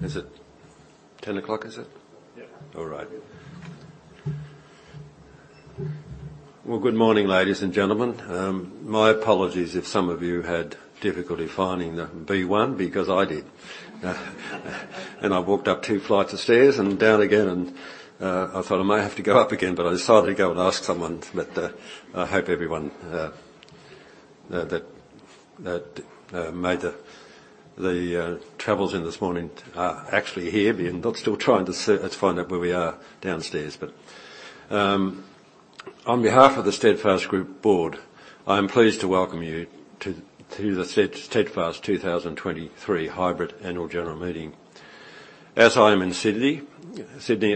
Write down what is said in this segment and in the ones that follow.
Is it 10 o'clock, is it? Yeah. All right. Well, good morning, ladies and gentlemen. My apologies if some of you had difficulty finding the B1, because I did. I walked up two flights of stairs and down again, and I thought I might have to go up again, but I decided to go and ask someone. But I hope everyone that made the travels in this morning are actually here and not still trying to find out where we are downstairs. But on behalf of the Steadfast Group Board, I'm pleased to welcome you to the Steadfast 2023 Hybrid Annual General Meeting. As I am in Sydney,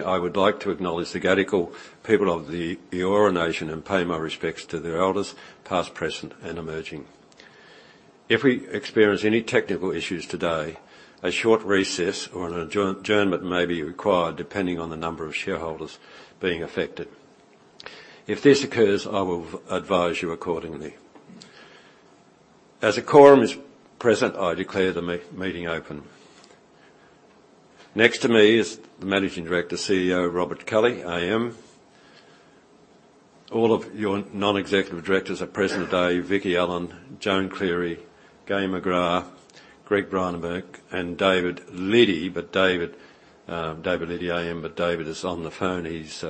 I would like to acknowledge the Gadigal people of the Eora Nation and pay my respects to their elders, past, present, and emerging. If we experience any technical issues today, a short recess or an adjournment may be required, depending on the number of shareholders being affected. If this occurs, I will advise you accordingly. As a quorum is present, I declare the meeting open. Next to me is the Managing Director, CEO, Robert Kelly AM. All of your non-executive directors are present today: Vicki Allen, Joan Cleary, Gai McGrath, Greg Rynenberg, and David Liddy. But David Liddy AM, is on the phone. He's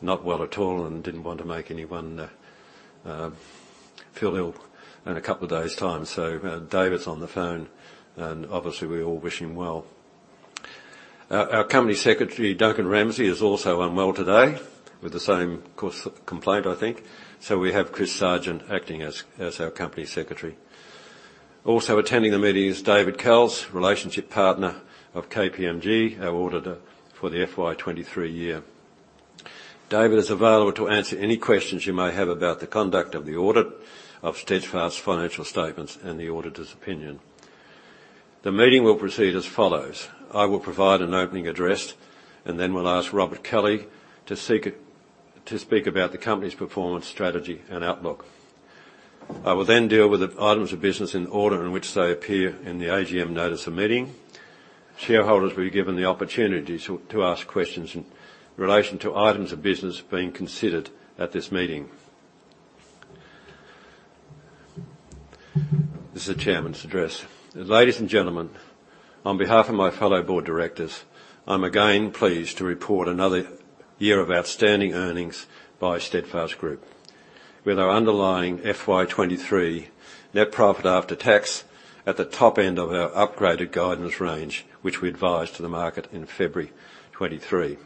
not well at all and didn't want to make anyone feel ill in a couple of days' time. So, David's on the phone, and obviously, we all wish him well. Our Company Secretary, Duncan Ramsay, is also unwell today with the same course of complaint, I think. So we have Christopher Sargent acting as our Company Secretary. Also attending the meeting is David Kells, Relationship Partner of KPMG, our auditor for the FY 2023 year. David is available to answer any questions you may have about the conduct of the audit of Steadfast's financial statements and the auditor's opinion. The meeting will proceed as follows: I will provide an opening address, and then we'll ask Robert Kelly to speak about the company's performance, strategy, and outlook. I will then deal with the items of business in the order in which they appear in the AGM notice of meeting. Shareholders will be given the opportunity to ask questions in relation to items of business being considered at this meeting. This is the Chairman's address. Ladies and gentlemen, on behalf of my fellow board directors, I'm again pleased to report another year of outstanding earnings by Steadfast Group, with our underlying FY 2023 net profit after tax at the top end of our upgraded guidance range, which we advised to the market in February 2023.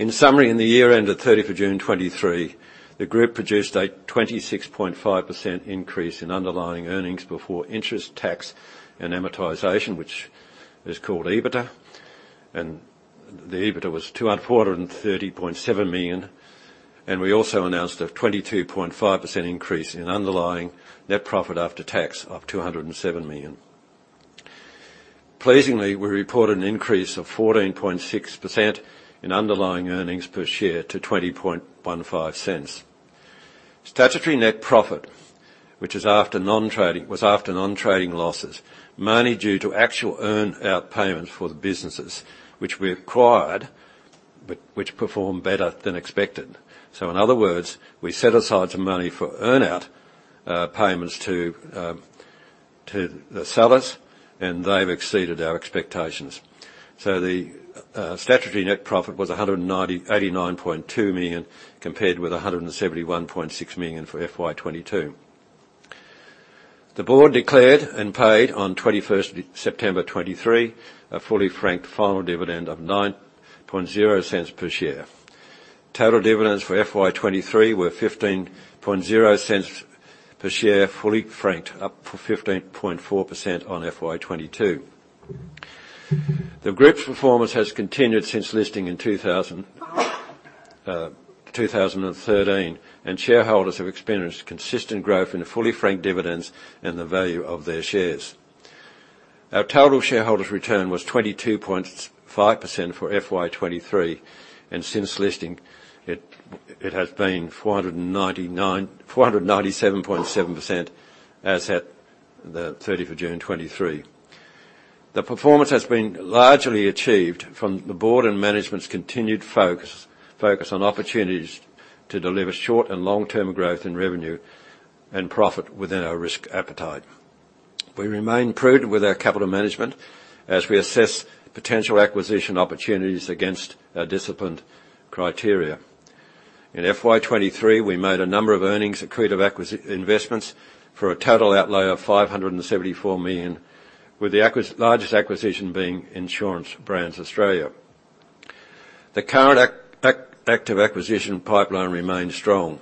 In summary, in the year ended June 30 2023, the group produced a 26.5% increase in underlying earnings before interest, tax, and amortization, which is called EBITDA, and the EBITDA was 243.7 million. And we also announced a 22.5% increase in underlying net profit after tax of 207 million. Pleasingly, we report an increase of 14.6% in underlying earnings per share to 0.2015. Statutory net profit, which was after non-trading losses, mainly due to actual earn-out payments for the businesses which we acquired, but which performed better than expected. So in other words, we set aside some money for earn-out payments to the sellers, and they've exceeded our expectations. So the statutory net profit was 89.2 million, compared with 171.6 million for FY 2022. The board declared and paid on September 21st 2023, a fully franked final dividend of 0.09 per share. Total dividends for FY 2023 were 0.15 per share, fully franked, up 15.4% on FY 2022. The group's performance has continued since listing in 2013, and shareholders have experienced consistent growth in the fully franked dividends and the value of their shares. Our total shareholders' return was 22.5% for FY 2023, and since listing, it has been 497.7% as at June 30 2023. The performance has been largely achieved from the board and management's continued focus on opportunities to deliver short and long-term growth in revenue and profit within our risk appetite. We remain prudent with our capital management as we assess potential acquisition opportunities against our disciplined criteria. In FY 2023, we made a number of earnings accretive investments for a total outlay of 574 million, with the largest acquisition being Insurance Brands Australia. The current active acquisition pipeline remains strong.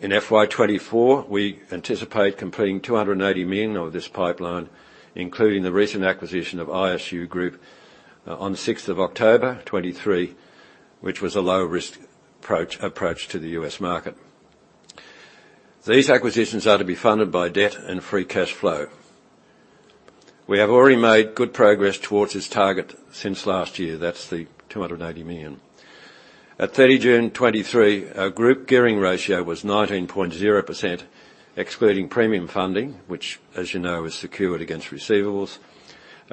In FY 2024, we anticipate completing 280 million of this pipeline, including the recent acquisition of ISU Group on the October 6th 2023, which was a low-risk approach to the U.S. market. These acquisitions are to be funded by debt and free cash flow. We have already made good progress towards this target since last year. That's the 280 million. At June 30 2023, our group gearing ratio was 19.0%, excluding premium funding, which, as you know, is secured against receivables,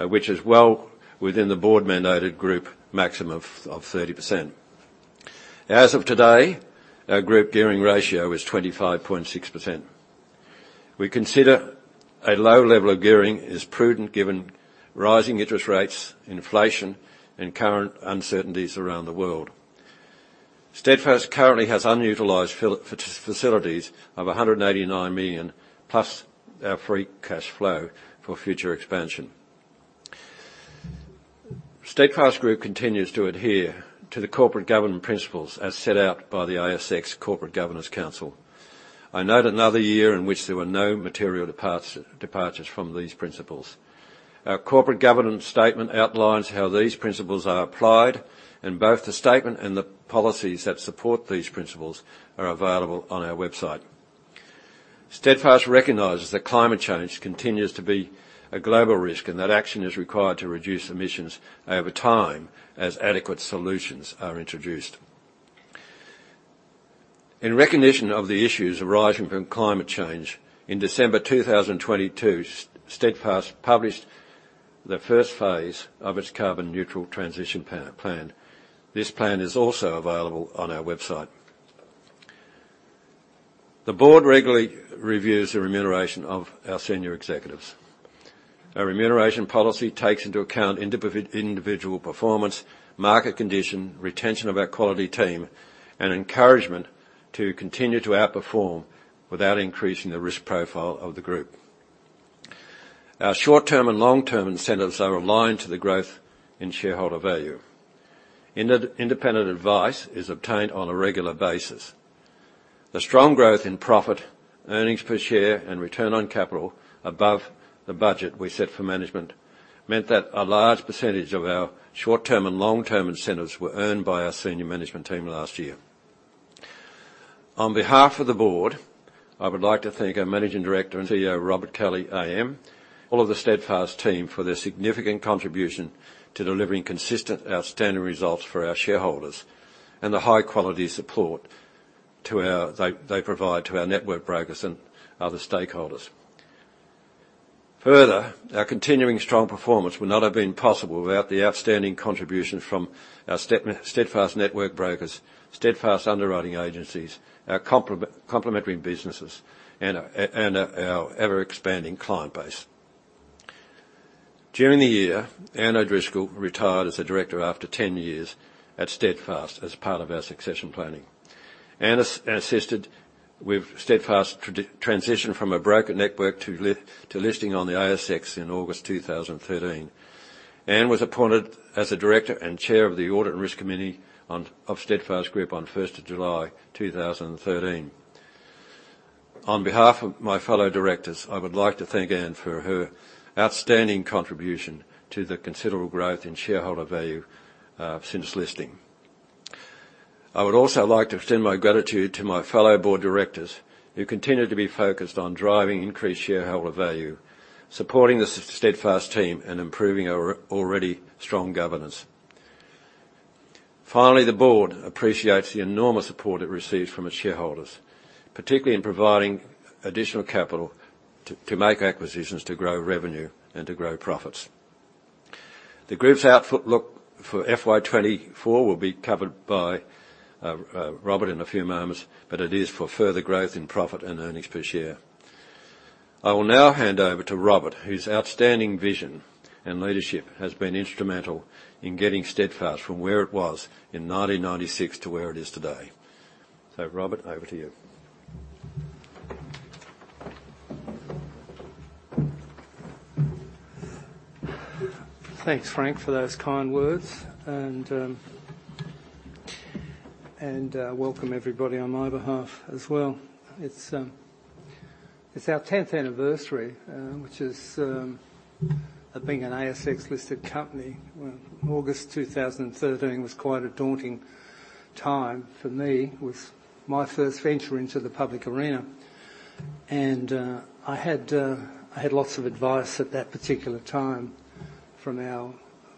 which is well within the board mandated group maximum of 30%. As of today, our group gearing ratio is 25.6%. We consider a low level of gearing is prudent, given rising interest rates, inflation, and current uncertainties around the world. Steadfast currently has unutilized facilities of 189 million, plus our free cash flow for future expansion. Steadfast Group continues to adhere to the corporate governance principles as set out by the ASX Corporate Governance Council. I note another year in which there were no material departures from these principles. Our corporate governance statement outlines how these principles are applied, and both the statement and the policies that support these principles are available on our website. Steadfast recognizes that climate change continues to be a global risk, and that action is required to reduce emissions over time as adequate solutions are introduced. In recognition of the issues arising from climate change, in December 2022, Steadfast published the first phase of its Carbon Neutral Transition Plan. This plan is also available on our website. The board regularly reviews the remuneration of our senior executives. Our remuneration policy takes into account individual performance, market condition, retention of our quality team, and encouragement to continue to outperform without increasing the risk profile of the group. Our short-term and long-term incentives are aligned to the growth in shareholder value. Independent advice is obtained on a regular basis. The strong growth in profit, earnings per share, and return on capital above the budget we set for management, meant that a large percentage of our short-term and long-term incentives were earned by our senior management team last year. On behalf of the board, I would like to thank our Managing Director and CEO, Robert Kelly AM, all of the Steadfast team, for their significant contribution to delivering consistent, outstanding results for our shareholders, and the high quality support they provide to our network brokers and other stakeholders. Further, our continuing strong performance would not have been possible without the outstanding contributions from our Steadfast network brokers, Steadfast underwriting agencies, our complementary businesses, and our ever-expanding client base. During the year, Anne O'Driscoll retired as a director after 10 years at Steadfast as part of our succession planning. Anne has assisted with Steadfast's transition from a broker network to listing on the ASX in August 2013. Anne was appointed as a director and chair of the Audit and Risk Committee of Steadfast Group on July 1st 2013. On behalf of my fellow directors, I would like to thank Anne for her outstanding contribution to the considerable growth in shareholder value since listing. I would also like to extend my gratitude to my fellow board directors, who continue to be focused on driving increased shareholder value, supporting the Steadfast team, and improving our already strong governance. Finally, the board appreciates the enormous support it receives from its shareholders, particularly in providing additional capital to make acquisitions, to grow revenue, and to grow profits. The group's outlook for FY 2024 will be covered by Robert in a few moments, but it is for further growth in profit and earnings per share. I will now hand over to Robert, whose outstanding vision and leadership has been instrumental in getting Steadfast from where it was in 1996 to where it is today. Robert, over to you. Thanks, Frank, for those kind words, and welcome everybody on my behalf as well. It's our 10th anniversary of being an ASX-listed company. Well, August 2013 was quite a daunting time for me, with my first venture into the public arena. And I had lots of advice at that particular time from our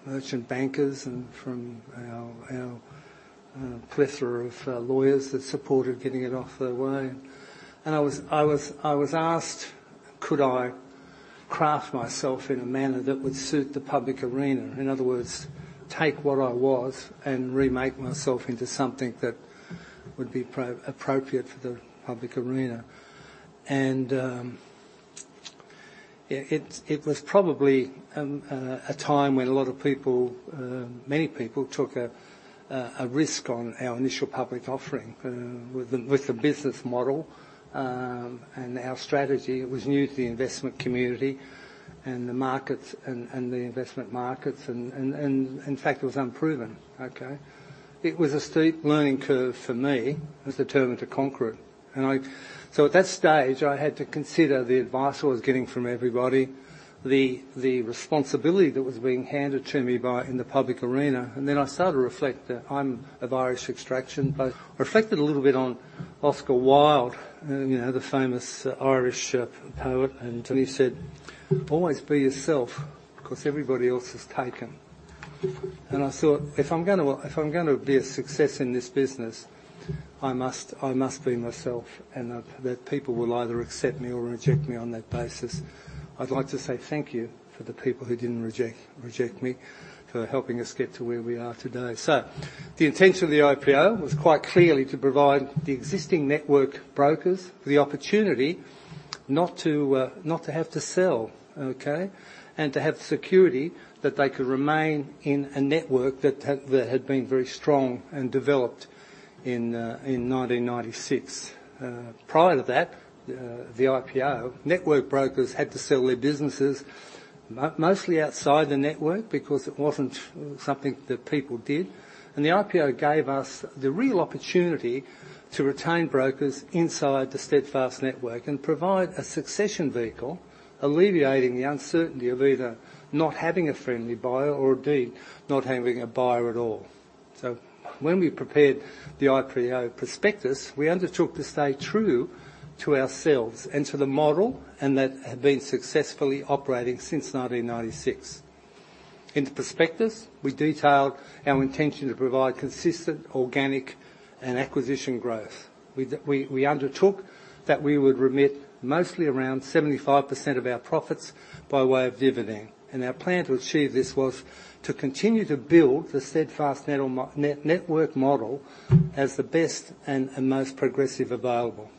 merchant bankers and from our plethora of lawyers that supported getting it off the ground. And I was asked, could I craft myself in a manner that would suit the public arena? In other words, take what I was and remake myself into something that would be properly appropriate for the public arena. And, yeah, it was probably a time when a lot of people, many people took a risk on our initial public offering, with the business model. And our strategy, it was new to the investment community and the markets and in fact, it was unproven, okay? It was a steep learning curve for me. I was determined to conquer it. So at that stage, I had to consider the advice I was getting from everybody, the responsibility that was being handed to me in the public arena. And then I started to reflect that I'm of Irish extraction, but I reflected a little bit on Oscar Wilde, you know, the famous Irish poet, and then he said, "Always be yourself.... 'cause everybody else is taken. I thought, "If I'm gonna be a success in this business, I must be myself, and that people will either accept me or reject me on that basis." I'd like to say thank you for the people who didn't reject me, for helping us get to where we are today. The intention of the IPO was quite clearly to provide the existing network brokers the opportunity not to have to sell, okay? And to have security that they could remain in a network that had been very strong and developed in 1996. Prior to that, the IPO, network brokers had to sell their businesses mostly outside the network because it wasn't something that people did. And the IPO gave us the real opportunity to retain brokers inside the Steadfast network and provide a succession vehicle, alleviating the uncertainty of either not having a friendly buyer or indeed, not having a buyer at all. So when we prepared the IPO prospectus, we undertook to stay true to ourselves and to the model, and that had been successfully operating since 1996. In the prospectus, we detailed our intention to provide consistent, organic, and acquisition growth. We undertook that we would remit mostly around 75% of our profits by way of dividend. And our plan to achieve this was to continue to build the Steadfast network model as the best and most progressive available.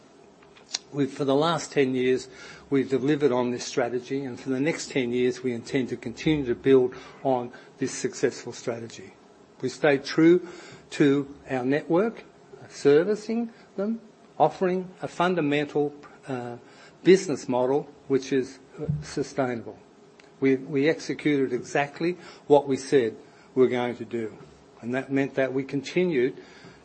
We... For the last 10 years, we've delivered on this strategy, and for the next 10 years, we intend to continue to build on this successful strategy. We stayed true to our network, servicing them, offering a fundamental business model, which is sustainable. We executed exactly what we said we were going to do, and that meant that we continued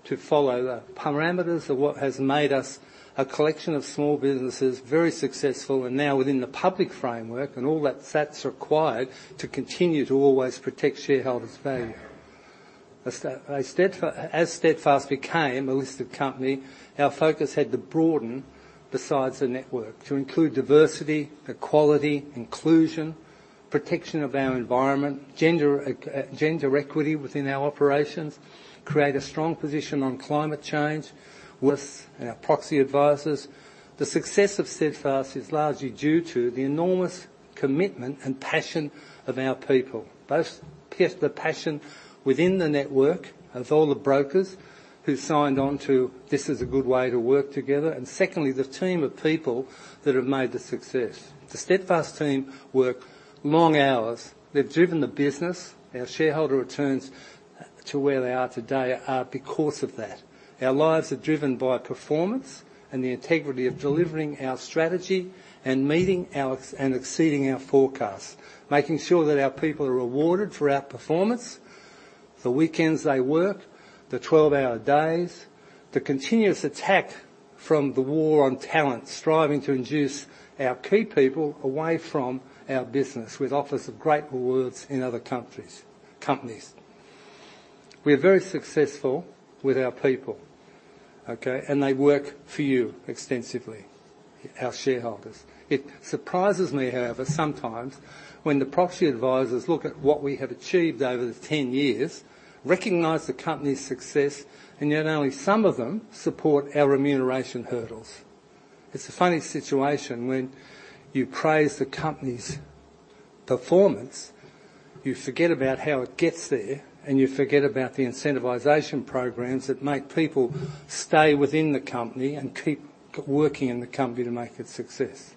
to follow the parameters of what has made us, a collection of small businesses, very successful, and now within the public framework and all that's required to continue to always protect shareholders' value. As Steadfast became a listed company, our focus had to broaden besides the network to include diversity, equality, inclusion, protection of our environment, gender equity within our operations, create a strong position on climate change with our proxy advisors. The success of Steadfast is largely due to the enormous commitment and passion of our people, both the passion within the network, of all the brokers who signed on to this is a good way to work together, and secondly, the team of people that have made the success. The Steadfast team work long hours. They've driven the business. Our shareholder returns to where they are today are because of that. Our lives are driven by performance and the integrity of delivering our strategy and meeting our ex- and exceeding our forecasts, making sure that our people are rewarded for our performance, the weekends they work, the 12-hour days, the continuous attack from the war on talent, striving to induce our key people away from our business with offers of great rewards in other countries, companies. We're very successful with our people, okay? They work for you extensively, our shareholders. It surprises me, however, sometimes when the proxy advisors look at what we have achieved over the 10 years, recognize the company's success, and yet only some of them support our remuneration hurdles. It's a funny situation when you praise the company's performance, you forget about how it gets there, and you forget about the incentivization programs that make people stay within the company and keep working in the company to make it success.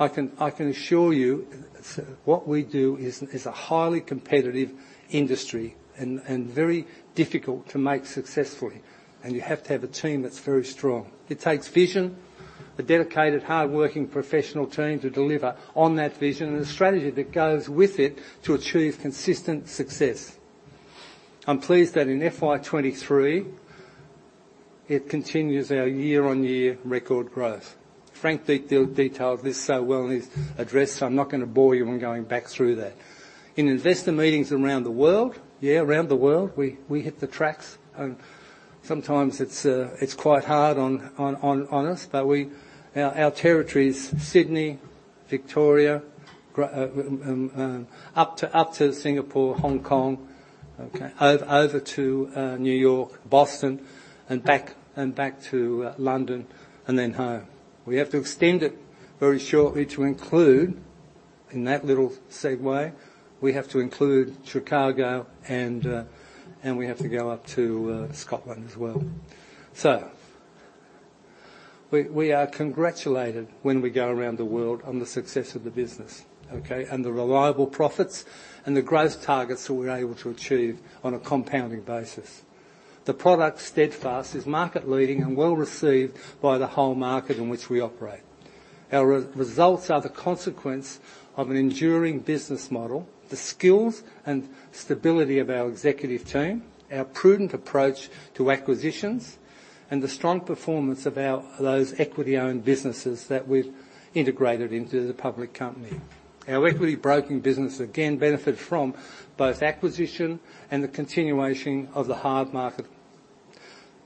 I can assure you, what we do is a highly competitive industry and very difficult to make successfully, and you have to have a team that's very strong. It takes vision, a dedicated, hardworking, professional team to deliver on that vision, and a strategy that goes with it to achieve consistent success. I'm pleased that in FY 2023, it continues our year-on-year record growth. Frank detailed this so well in his address, so I'm not gonna bore you on going back through that. In investor meetings around the world, yeah, around the world, we, we hit the tracks, and sometimes it's quite hard on us, but we... Our territory is Sydney, Victoria, up to Singapore, Hong Kong, okay, over to New York, Boston, and back, and back to London, and then home. We have to extend it very shortly to include, in that little segue, we have to include Chicago, and we have to go up to Scotland as well. So we are congratulated when we go around the world on the success of the business, okay, and the reliable profits and the growth targets that we're able to achieve on a compounding basis. The product, Steadfast, is market-leading and well-received by the whole market in which we operate. Our results are the consequence of an enduring business model, the skills and stability of our executive team, our prudent approach to acquisitions, and the strong performance of our those equity-owned businesses that we've integrated into the public company. Our equity broking business again benefit from both acquisition and the continuation of the hard market....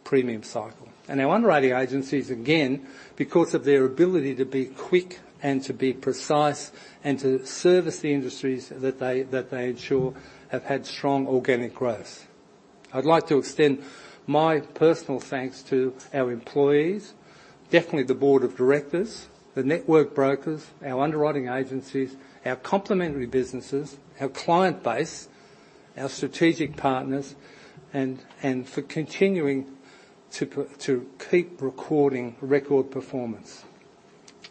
premium cycle. And our underwriting agencies, again, because of their ability to be quick and to be precise, and to service the industries that they insure, have had strong organic growth. I'd like to extend my personal thanks to our employees, definitely the board of directors, the network brokers, our underwriting agencies, our complementary businesses, our client base, our strategic partners, and for continuing to keep achieving record performance.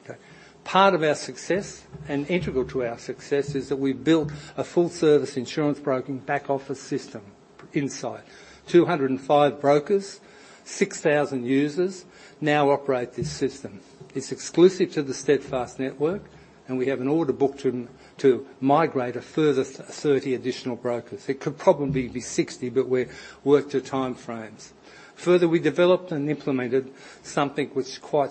Okay, part of our success, and integral to our success, is that we've built a full-service insurance broking back-office system, Insight. 205 brokers, 6,000 users now operate this system. It's exclusive to the Steadfast network, and we have an order book to migrate a further 30 additional brokers. It could probably be 60, but we're working to timeframes. Further, we developed and implemented something which is quite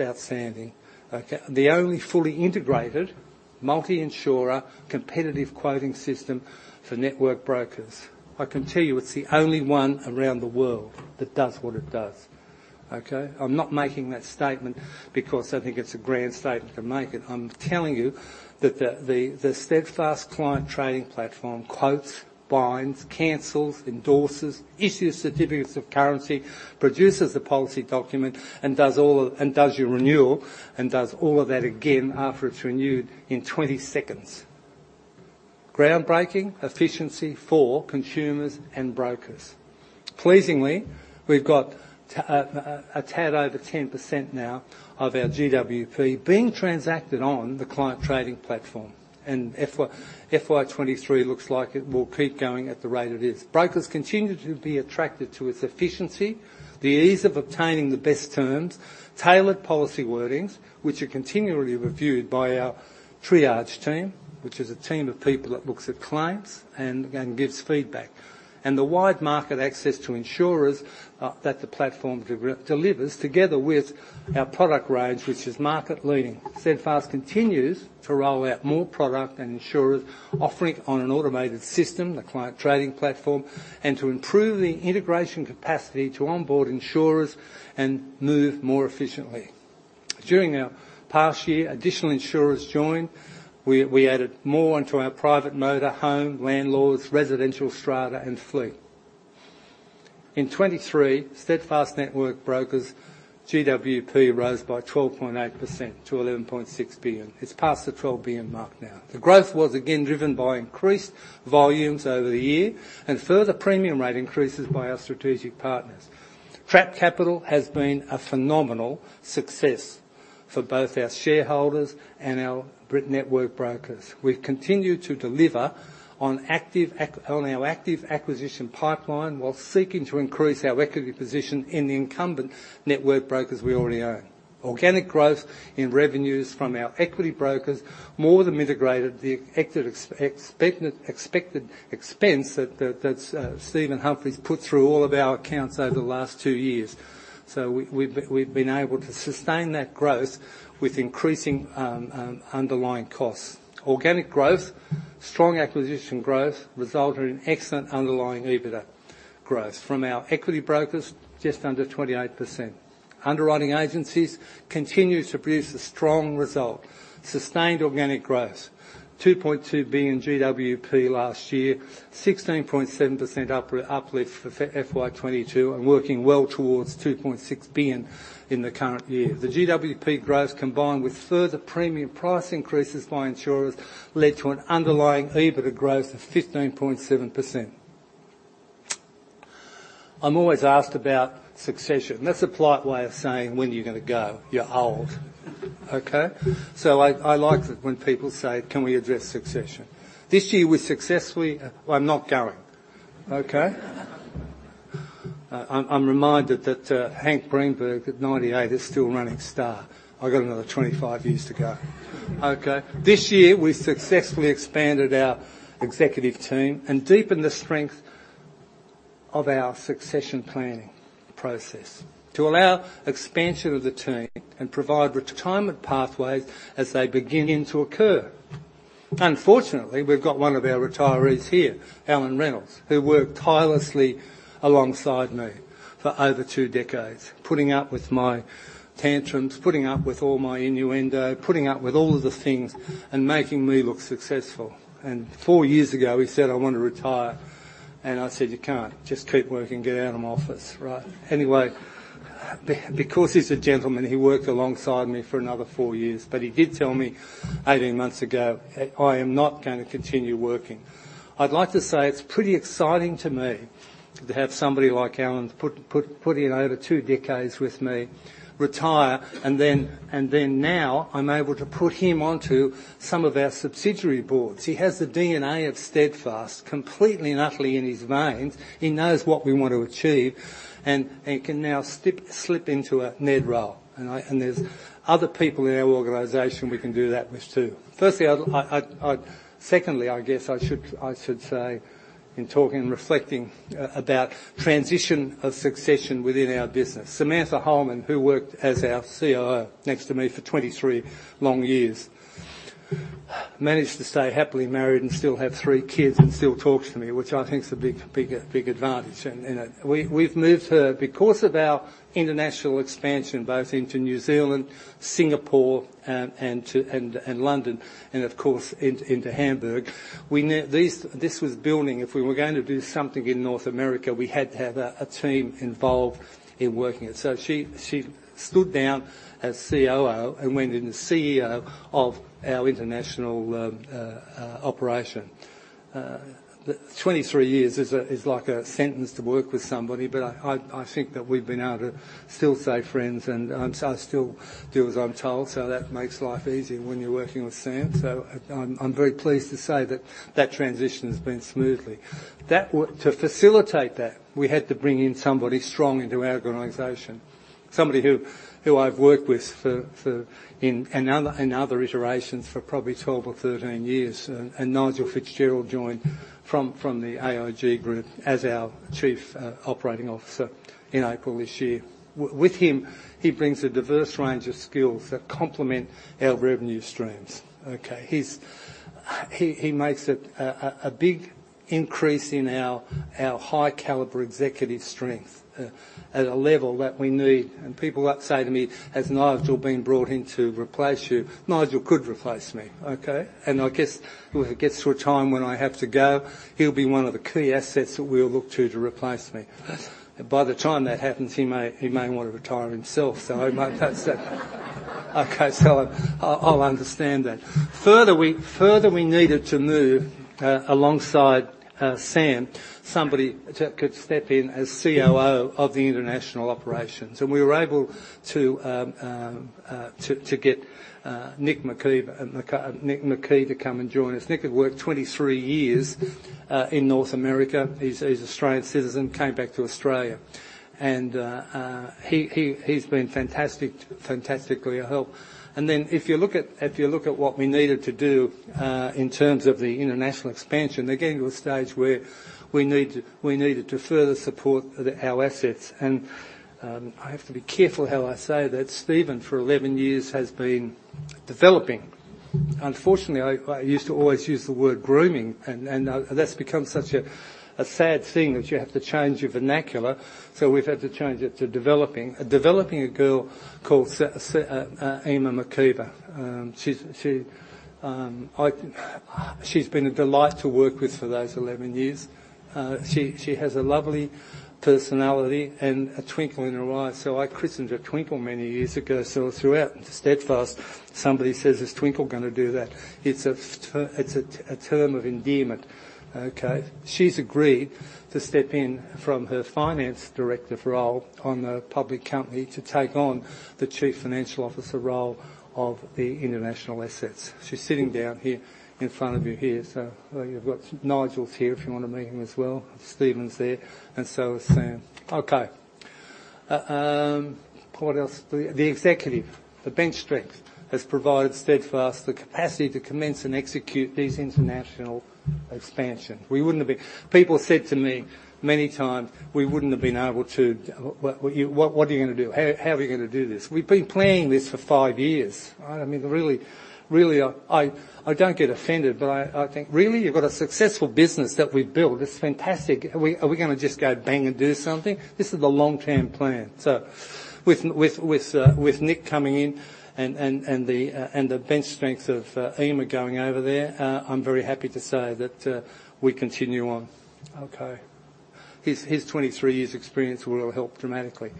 outstanding, okay? The only fully integrated, multi-insurer, competitive quoting system for network brokers. I can tell you, it's the only one around the world that does what it does, okay? I'm not making that statement because I think it's a grand statement to make it. I'm telling you that the Steadfast Client Trading Platform quotes, binds, cancels, endorses, issues certificates of currency, produces a policy document, and does all of... and does your renewal, and does all of that again after it's renewed in 20 seconds. Groundbreaking efficiency for consumers and brokers. Pleasingly, we've got a tad over 10% now of our GWP being transacted on the Client Trading Platform, and FY 2023 looks like it will keep going at the rate it is. Brokers continue to be attracted to its efficiency, the ease of obtaining the best terms, tailored policy wordings, which are continually reviewed by our triage team, which is a team of people that looks at claims and gives feedback. And the wide market access to insurers that the platform delivers, together with our product range, which is market leading. Steadfast continues to roll out more product and insurers, offering on an automated system, the Client Trading Platform, and to improve the integration capacity to onboard insurers and move more efficiently. During our past year, additional insurers joined. We added more onto our private motor, home, landlords, residential strata, and fleet. In 2023, Steadfast network brokers' GWP rose by 12.8% to 11.6 billion. It's past the 12 billion mark now. The growth was again driven by increased volumes over the year, and further premium rate increases by our strategic partners. Trapped Capital has been a phenomenal success for both our shareholders and our broker network brokers. We've continued to deliver on our active acquisition pipeline, while seeking to increase our equity position in the incumbent network brokers we already own. Organic growth in revenues from our equity brokers more than integrated the expected expense that Stephen Humphrys put through all of our accounts over the last two years. So we've been able to sustain that growth with increasing underlying costs. Organic growth, strong acquisition growth, resulted in excellent underlying EBITDA growth from our equity brokers, just under 28%. Underwriting agencies continue to produce a strong result. Sustained organic growth, 2.2 billion GWP last year, 16.7% uplift for FY 2022, and working well towards 2.6 billion in the current year. The GWP growth, combined with further premium price increases by insurers, led to an underlying EBITDA growth of 15.7%. I'm always asked about succession. That's a polite way of saying, "When are you gonna go? You're old." Okay? So I like it when people say, Can we address succession? I'm not going, okay? I'm reminded that Hank Greenberg, at 98, is still running Starr. I've got another 25 years to go. Okay. This year, we successfully expanded our executive team and deepened the strength of our succession planning process to allow expansion of the team and provide retirement pathways as they begin to occur. Unfortunately, we've got one of our retirees here, Alan Reynolds, who worked tirelessly alongside me for over two decades, putting up with my tantrums, putting up with all my innuendo, putting up with all of the things and making me look successful. Four years ago, he said, "I want to retire." And I said, "You can't. Just keep working, get out of my office," right? Anyway, because he's a gentleman, he worked alongside me for another four years, but he did tell me 18 months ago, "I am not going to continue working." I'd like to say, it's pretty exciting to me to have somebody like Alan putting in over two decades with me, retire, and then now I'm able to put him onto some of our subsidiary boards. He has the DNA of Steadfast completely and utterly in his veins. He knows what we want to achieve, and can now slip into a NED role, and I... And there's other people in our organization we can do that with, too. Firstly, I... Secondly, I guess I should say, in talking and reflecting about transition of succession within our business, Samantha Hollman, who worked as our COO next to me for 23 long years... managed to stay happily married and still have 3 kids and still talk to me, which I think is a big, big, big advantage. And, you know, we, we've moved her because of our international expansion, both into New Zealand, Singapore, and London, and of course, into Hamburg. These – this was building. If we were going to do something in North America, we had to have a team involved in working it. So she stood down as COO and went in as CEO of our international operation. Twenty-three years is like a sentence to work with somebody, but I think that we've been able to still stay friends, and so I still do as I'm told, so that makes life easier when you're working with Sam. So I'm very pleased to say that that transition has been smoothly. To facilitate that, we had to bring in somebody strong into our organization, somebody who I've worked with in other iterations for probably 12 or 13 years, and Nigel Fitzgerald joined from the AIG group as our Chief Operating Officer in April this year. With him, he brings a diverse range of skills that complement our revenue streams, okay? He makes it a big increase in our high caliber executive strength at a level that we need. And people say to me, "Has Nigel been brought in to replace you?" Nigel could replace me, okay? And I guess if it gets to a time when I have to go, he'll be one of the key assets that we'll look to to replace me. By the time that happens, he may want to retire himself, so I might have to say. Okay, so I'll understand that. Further, we needed to move alongside Sam, somebody that could step in as COO of the international operations, and we were able to to get Nick McKee to come and join us. Nick had worked 23 years in North America. He's an Australian citizen, came back to Australia, and he's been fantastic, fantastically a help. And then, if you look at what we needed to do in terms of the international expansion, they're getting to a stage where we need to, we needed to further support our assets. And I have to be careful how I say that Stephen, for 11 years, has been developing. Unfortunately, I used to always use the word grooming, and that's become such a sad thing that you have to change your vernacular, so we've had to change it to developing. Developing a girl called Eimear McKeever. She's been a delight to work with for those 11 years. She has a lovely personality and a twinkle in her eye, so I christened her Twinkle many years ago. So throughout Steadfast, somebody says: "Is Twinkle gonna do that?" It's a term of endearment, okay? She's agreed to step in from her Finance Director role on the public company to take on the Chief Financial Officer role of the international assets. She's sitting down here in front of you here, so you've got... Nigel's here if you want to meet him as well. Stephen's there, and so is Sam. Okay. What else? The executive bench strength has provided Steadfast the capacity to commence and execute this international expansion. We wouldn't have been-- People said to me many times "We wouldn't have been able to... What are you gonna do? How, how are you gonna do this?" We've been planning this for five years. I mean, really, really, I, I don't get offended, but I, I think, really? You've got a successful business that we've built. It's fantastic. Are we, are we gonna just go bang and do something? This is the long-term plan. So with, with, with, with Nick coming in and, and, and the, and the bench strength of, Eimear going over there, I'm very happy to say that, we continue on. Okay. His, his 23 years experience will help dramatically.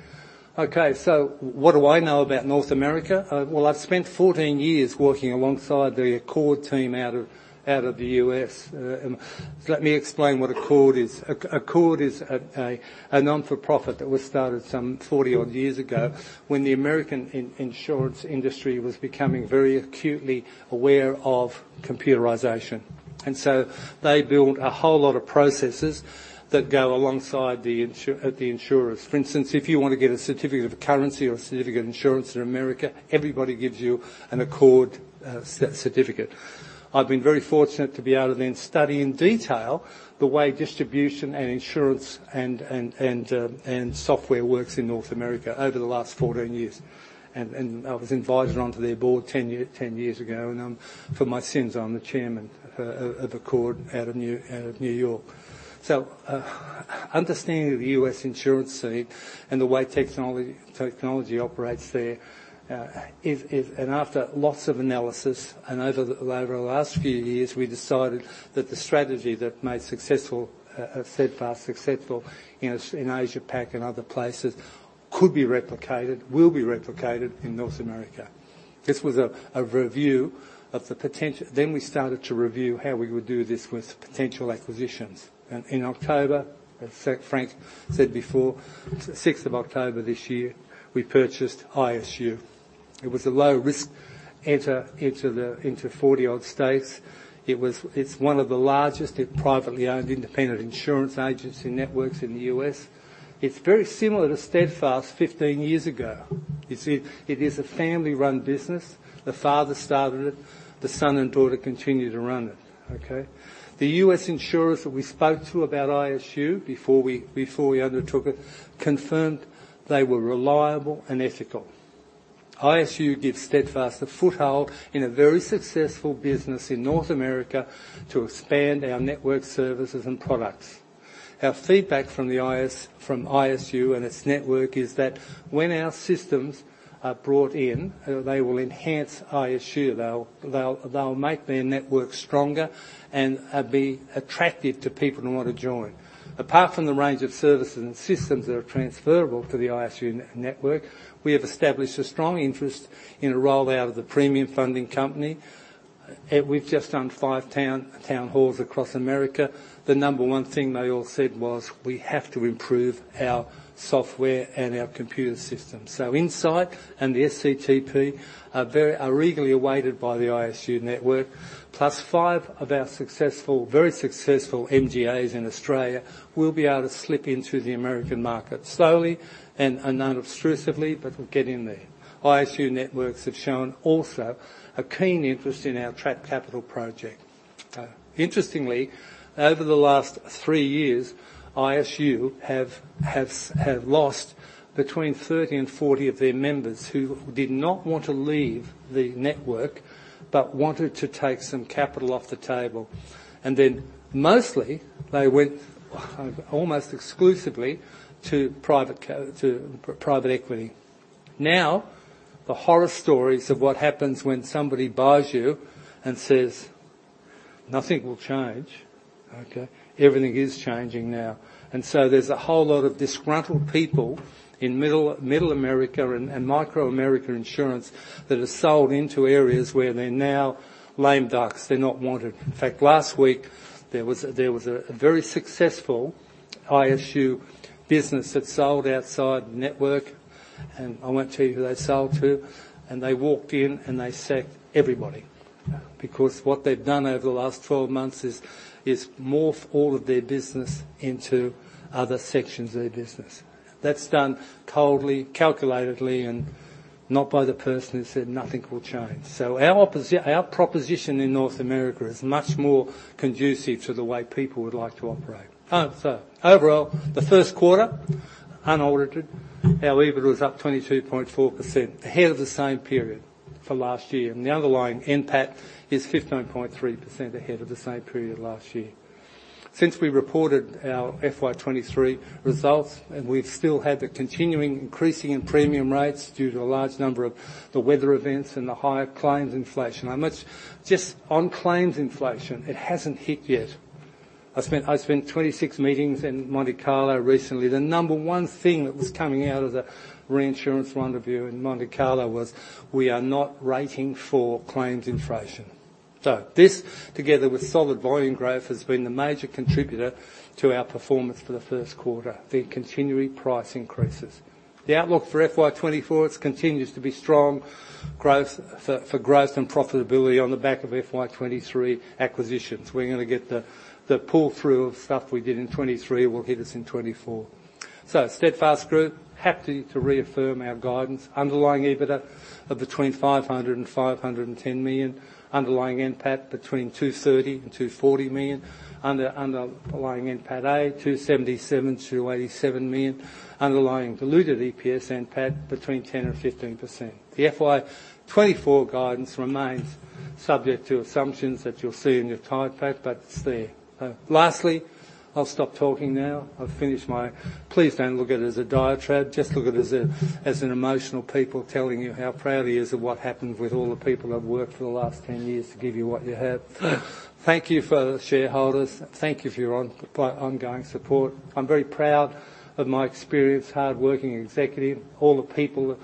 Okay, so what do I know about North America? Well, I've spent 14 years working alongside the ACORD team out of, out of the U.S. And let me explain what ACORD is. ACORD is a non-for-profit that was started some 40-odd years ago when the American insurance industry was becoming very acutely aware of computerization. And so they built a whole lot of processes that go alongside the insurers. For instance, if you want to get a certificate of currency or a certificate of insurance in America, everybody gives you an ACORD certificate. I've been very fortunate to be able to then study in detail the way distribution and insurance and software works in North America over the last 14 years. And I was invited onto their board 10 years ago, and for my sins, I'm the chairman of ACORD out of New York. So, understanding the US insurance scene and the way technology operates there is... After lots of analysis over the last few years, we decided that the strategy that made Steadfast successful in Asia Pac and other places could be replicated, will be replicated in North America. This was a review of the potent— Then we started to review how we would do this with potential acquisitions. In October, as Frank said before, October 6th this year, we purchased ISU. It was a low-risk enter into the, into 40-odd states. It's one of the largest and privately owned independent insurance agency networks in the U.S. It's very similar to Steadfast 15 years ago. You see, it is a family-run business. The father started it, the son and daughter continue to run it, okay? The U.S. insurers that we spoke to about ISU before we undertook it confirmed they were reliable and ethical. ISU gives Steadfast a foothold in a very successful business in North America to expand our network services and products. Our feedback from ISU and its network is that when our systems are brought in, they will enhance ISU. They'll make their network stronger and be attractive to people who want to join. Apart from the range of services and systems that are transferable to the ISU network, we have established a strong interest in a rollout of the premium funding company. We've just done five town halls across America. The number one thing they all said was, "We have to improve our software and our computer system." So Insight and the SCTP are very- are eagerly awaited by the ISU network, plus five of our successful, very successful MGAs in Australia will be able to slip into the American market, slowly and, and unobtrusively, but we'll get in there. ISU networks have shown also a keen interest in our Trapped Capital project. Interestingly, over the last three years, ISU has lost between 30 and 40 of their members who did not want to leave the network, but wanted to take some capital off the table. And then, mostly, they went, almost exclusively to private equity. Now, the horror stories of what happens when somebody buys you and says, "Nothing will change," okay? Everything is changing now, and so there's a whole lot of disgruntled people in Middle, Middle America and micro America insurance that have sold into areas where they're now lame ducks. They're not wanted. In fact, last week, there was a very successful ISU business that sold outside network, and I won't tell you who they sold to, and they walked in, and they sacked everybody. Because what they've done over the last 12 months is morph all of their business into other sections of their business. That's done coldly, calculatedly, and not by the person who said nothing will change. So our proposition in North America is much more conducive to the way people would like to operate. So overall, the Q1, unaudited, our EBIT was up 22.4%, ahead of the same period for last year, and the underlying NPAT is 15.3% ahead of the same period last year. Since we reported our FY 2023 results, and we've still had the continuing increasing in premium rates due to a large number of the weather events and the higher claims inflation. Just on claims inflation, it hasn't hit yet. I spent 26 meetings in Monte Carlo recently. The number one thing that was coming out of the Reinsurance Rendezvous in Monte Carlo was, "We are not rating for claims inflation." So this, together with solid volume growth, has been the major contributor to our performance for the Q1, the continuing price increases. The outlook for FY 2024, it continues to be strong growth for growth and profitability on the back of FY 2023 acquisitions. We're gonna get the pull-through of stuff we did in 2023 will hit us in 2024. So Steadfast Group, happy to reaffirm our guidance, underlying EBITDA of between 500-510 million, underlying NPAT between 230-240 million, underlying NPATA, 277-287 million, underlying diluted EPS NPAT, between 10%-15%. The FY 2024 guidance remains subject to assumptions that you'll see in your slide pack, but it's there. Lastly, I'll stop talking now. I've finished my... Please don't look at it as a diatribe. Just look at it as a, as an emotional people telling you how proud he is of what happened with all the people I've worked for the last ten years to give you what you have. Thank you, shareholders. Thank you for your ongoing support. I'm very proud of my experienced, hardworking executive, all the people,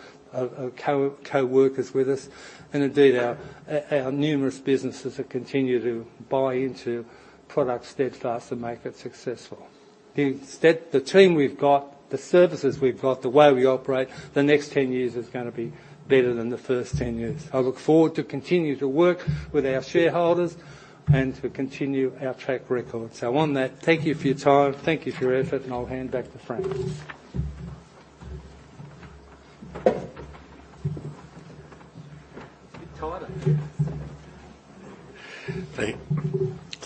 coworkers with us, and indeed, our numerous businesses that continue to buy into products Steadfast and make it successful. The team we've got, the services we've got, the way we operate, the next ten years is gonna be better than the first ten years. I look forward to continue to work with our shareholders and to continue our track record. So on that, thank you for your time, thank you for your effort, and I'll hand back to Frank. Get tighter.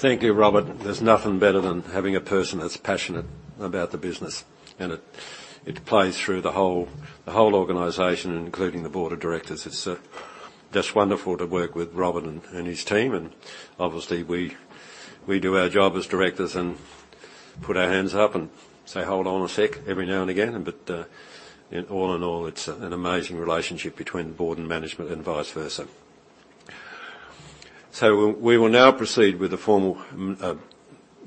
Thank you, Robert. There's nothing better than having a person that's passionate about the business, and it plays through the whole organization, including the board of directors. It's just wonderful to work with Robert and his team, and obviously, we do our job as directors and put our hands up and say, "Hold on a sec," every now and again. But all in all, it's an amazing relationship between the board and management and vice versa. So we will now proceed with the formal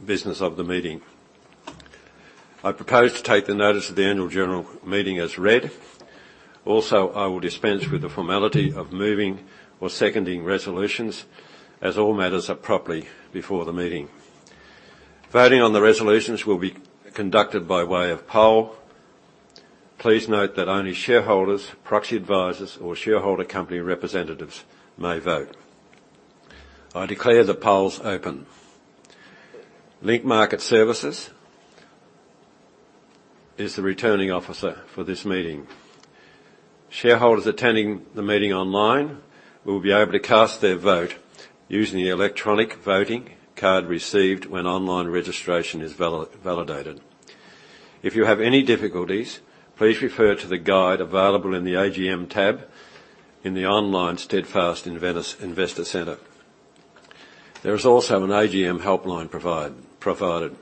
business of the meeting. I propose to take the notice of the Annual General Meeting as read. Also, I will dispense with the formality of moving or seconding resolutions, as all matters are properly before the meeting. Voting on the resolutions will be conducted by way of poll. Please note that only shareholders, proxy advisors, or shareholder company representatives may vote. I declare the polls open. Link Market Services is the Returning Officer for this meeting. Shareholders attending the meeting online will be able to cast their vote using the electronic voting card received when online registration is validated. If you have any difficulties, please refer to the guide available in the AGM tab in the online Steadfast Investor Center. There is also an AGM helpline provided.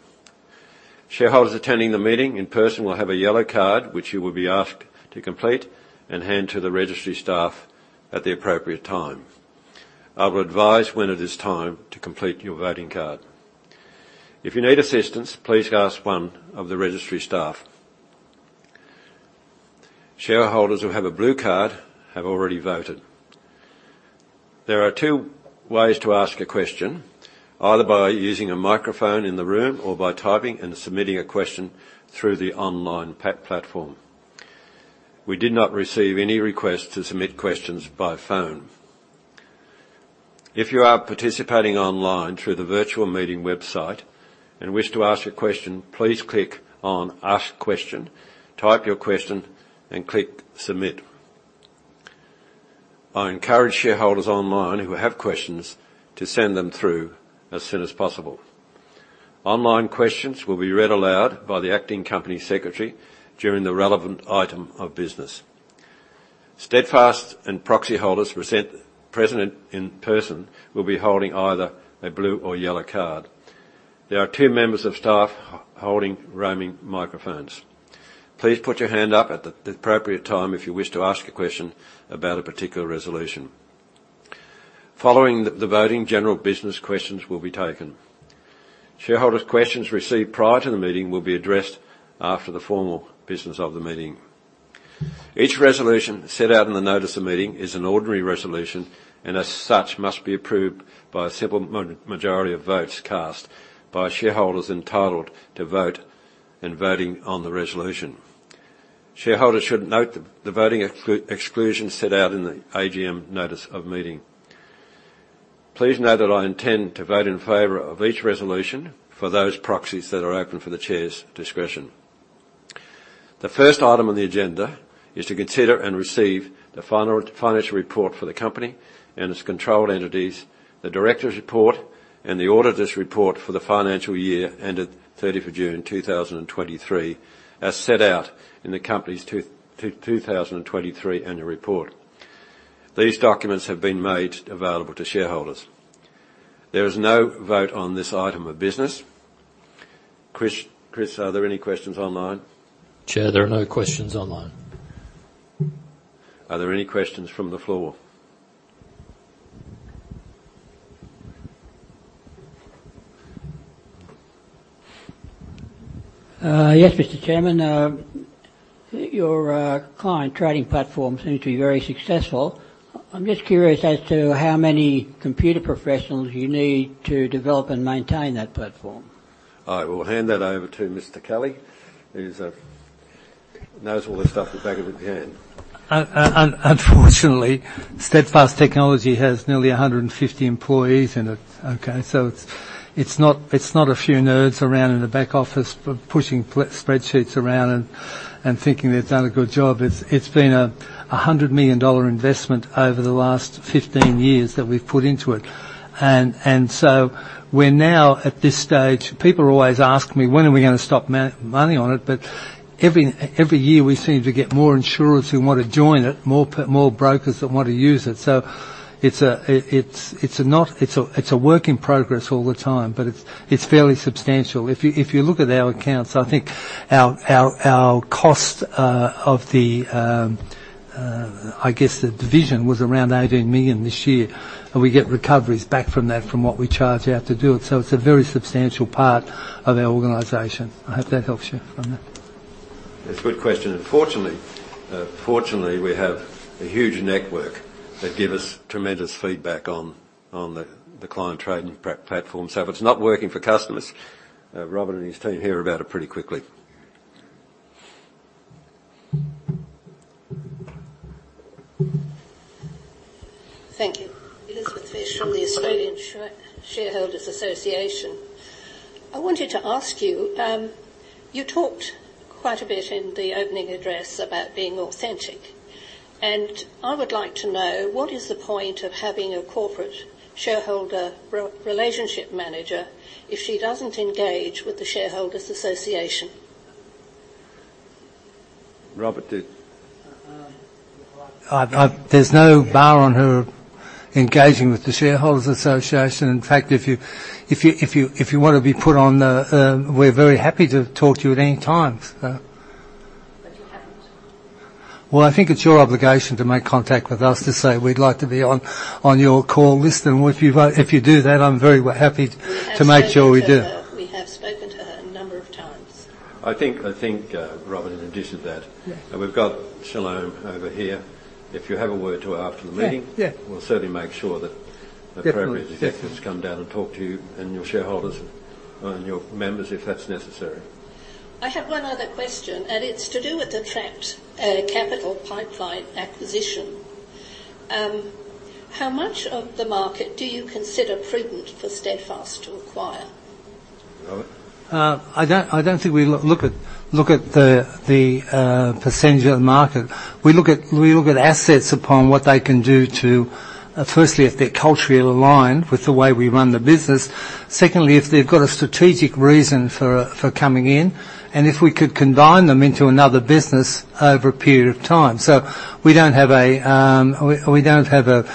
Shareholders attending the meeting in person will have a yellow card, which you will be asked to complete and hand to the registry staff at the appropriate time. I will advise when it is time to complete your voting card. If you need assistance, please ask one of the registry staff. Shareholders who have a blue card have already voted. There are two ways to ask a question, either by using a microphone in the room or by typing and submitting a question through the online platform. We did not receive any requests to submit questions by phone. If you are participating online through the virtual meeting website and wish to ask a question, please click on ask question, type your question, and click submit. I encourage shareholders online who have questions to send them through as soon as possible. Online questions will be read aloud by the Acting Company Secretary during the relevant item of business. Steadfast and proxy holders present in person will be holding either a blue or yellow card. There are two members of staff holding roaming microphones. Please put your hand up at the appropriate time if you wish to ask a question about a particular resolution. Following the voting, general business questions will be taken. Shareholders' questions received prior to the meeting will be addressed after the formal business of the meeting. Each resolution set out in the notice of meeting is an ordinary resolution, and as such, must be approved by a simple majority of votes cast by shareholders entitled to vote and voting on the resolution. Shareholders should note the voting exclusion set out in the AGM notice of meeting. Please note that I intend to vote in favor of each resolution for those proxies that are open for the Chair's discretion. The first item on the agenda is to consider and receive the financial report for the company and its controlled entities, the directors' report, and the auditor's report for the financial year ended June 30 2023, as set out in the company's 2023 annual report. These documents have been made available to shareholders. There is no vote on this item of business. Chris, Chris, are there any questions online? Chair, there are no questions online. Are there any questions from the floor? Yes, Mr. Chairman. Your Client Trading Platform seems to be very successful. I'm just curious as to how many computer professionals you need to develop and maintain that platform. I will hand that over to Mr. Kelly, who knows all this stuff at the back of his hand. Unfortunately, Steadfast Technologies has nearly 150 employees in it, okay? So it's not a few nerds around in the back office pushing spreadsheets around and thinking they've done a good job. It's been a 100 million dollar investment over the last 15 years that we've put into it. So we're now, at this stage... People always ask me, "When are we gonna stop money on it?" But every year, we seem to get more insurers who want to join it, more brokers that want to use it. So it's not... It's a work in progress all the time, but it's fairly substantial. If you look at our accounts, I think our cost of the, I guess, the division was around 18 million this year, and we get recoveries back from that from what we charge out to do it, so it's a very substantial part of our organization. I hope that helps you on that. It's a good question, and fortunately, fortunately, we have a huge network that give us tremendous feedback on the Client Trading Platform. So if it's not working for customers, Robert and his team hear about it pretty quickly. Thank you. Elizabeth Fish from the Australian Shareholders' Association. I wanted to ask you, you talked quite a bit in the opening address about being authentic, and I would like to know, what is the point of having a corporate shareholder relationship manager if she doesn't engage with the Shareholders Association? Robert, did- I've... There's no bar on her engaging with the Shareholders' Association. In fact, if you want to be put on the... We're very happy to talk to you at any time, so- But you haven't. Well, I think it's your obligation to make contact with us to say, "We'd like to be on your call list." And if you do that, I'm very happy to make sure we do. We have spoken to her. We have spoken to her a number of times. I think Robert has addressed that. Yeah. We've got Shalome over here. If you have a word to her after the meeting- Yeah, yeah... we'll certainly make sure that- Definitely... the appropriate executives come down and talk to you and your shareholders and your members, if that's necessary. I have one other question, and it's to do with the Trapped Capital pipeline acquisition. How much of the market do you consider prudent for Steadfast to acquire? Robert? I don't think we look at the percentage of the market. We look at assets upon what they can do to... firstly, if they're culturally aligned with the way we run the business. Secondly, if they've got a strategic reason for coming in, and if we could combine them into another business over a period of time. So we don't have a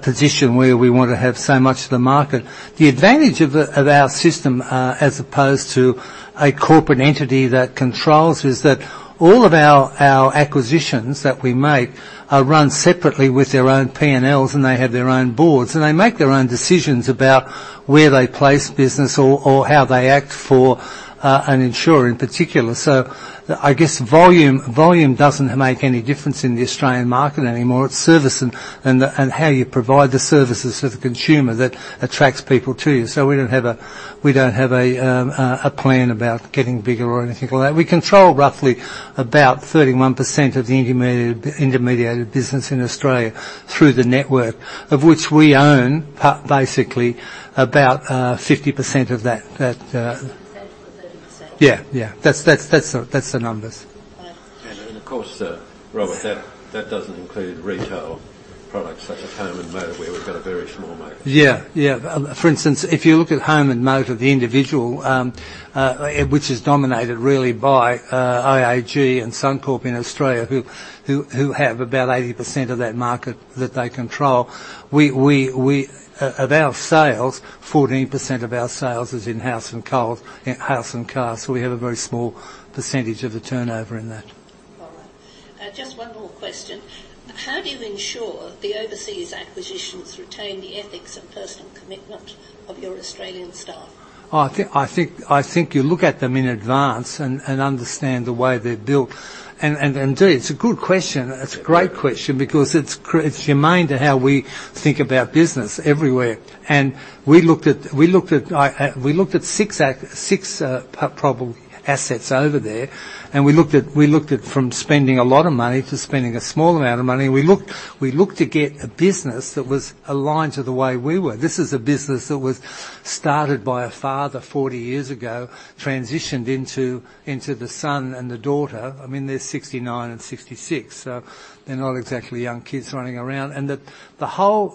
position where we want to have so much of the market. The advantage of our system, as opposed to a corporate entity that controls, is that all of our acquisitions that we make are run separately with their own P&Ls, and they have their own boards. They make their own decisions about where they place business or how they act for an insurer in particular. So I guess volume doesn't make any difference in the Australian market anymore. It's service and how you provide the services to the consumer that attracts people to you. So we don't have a plan about getting bigger or anything like that. We control roughly about 31% of the intermediated business in Australia through the network, of which we own basically about 50% of that. 30% or 30%? Yeah, yeah. That's the numbers. Uh- And of course, Robert, that doesn't include retail products like home and motor, where we've got a very small market. Yeah, yeah. For instance, if you look at home and motor, the individual, which is dominated really by IAG and Suncorp in Australia, who have about 80% of that market that they control, we, we, we... Of our sales, 14% of our sales is in house and cars, so we have a very small percentage of the turnover in that. All right. Just one more question. How do you ensure the overseas acquisitions retain the ethics and personal commitment of your Australian staff? Oh, I think you look at them in advance and understand the way they're built. And indeed, it's a good question. It's a great question because it's crucial to how we think about business everywhere. And we looked, we looked at six, six probable assets over there, and we looked, we looked at from spending a lot of money to spending a small amount of money, and we looked, we looked to get a business that was aligned to the way we were. This is a business that was started by a father 40 years ago, transitioned into the son and the daughter. I mean, they're 69 and 66, so they're not exactly young kids running around. And the whole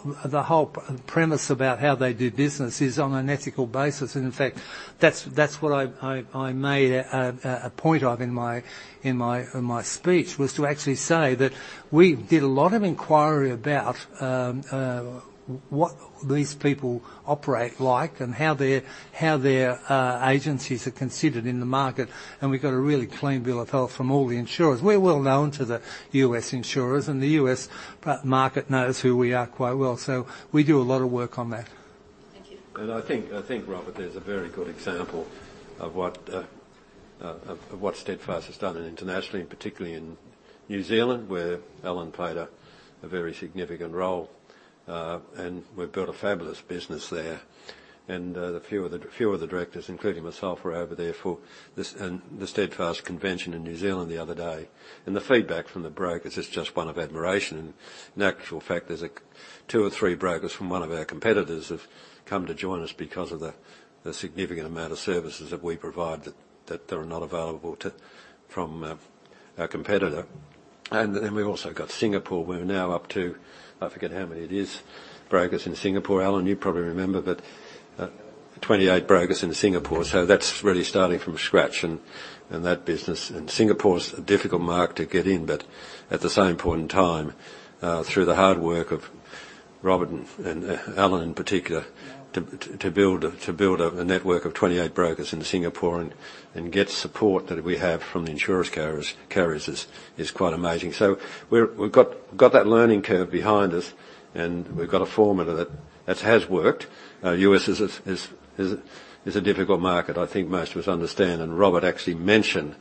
premise about how they do business is on an ethical basis, and in fact, that's what I made a point of in my speech, was to actually say that we did a lot of inquiry about what these people operate like and how their agencies are considered in the market, and we got a really clean bill of health from all the insurers. We're well known to the U.S. insurers, and the U.S. market knows who we are quite well, so we do a lot of work on that. Thank you. I think, I think, Robert, there's a very good example of what, of what Steadfast has done internationally, and particularly in New Zealand, where Alan played a very significant role. And we've built a fabulous business there. And a few of the directors, including myself, were over there for the Steadfast convention in New Zealand the other day, and the feedback from the brokers is just one of admiration. And in actual fact, there's two or three brokers from one of our competitors have come to join us because of the significant amount of services that we provide that they're not available to from our competitor. And then we've also got Singapore, where we're now up to, I forget how many it is, brokers in Singapore. Alan, you probably remember, but 28 brokers in Singapore, so that's really starting from scratch in that business. And Singapore's a difficult market to get in, but at the same point in time, through the hard work of Robert and Alan in particular, to build a network of 28 brokers in Singapore and get support that we have from the insurance carriers is quite amazing. So we've got that learning curve behind us, and we've got a formula that has worked. U.S. is a difficult market, I think most of us understand, and Robert actually mentioned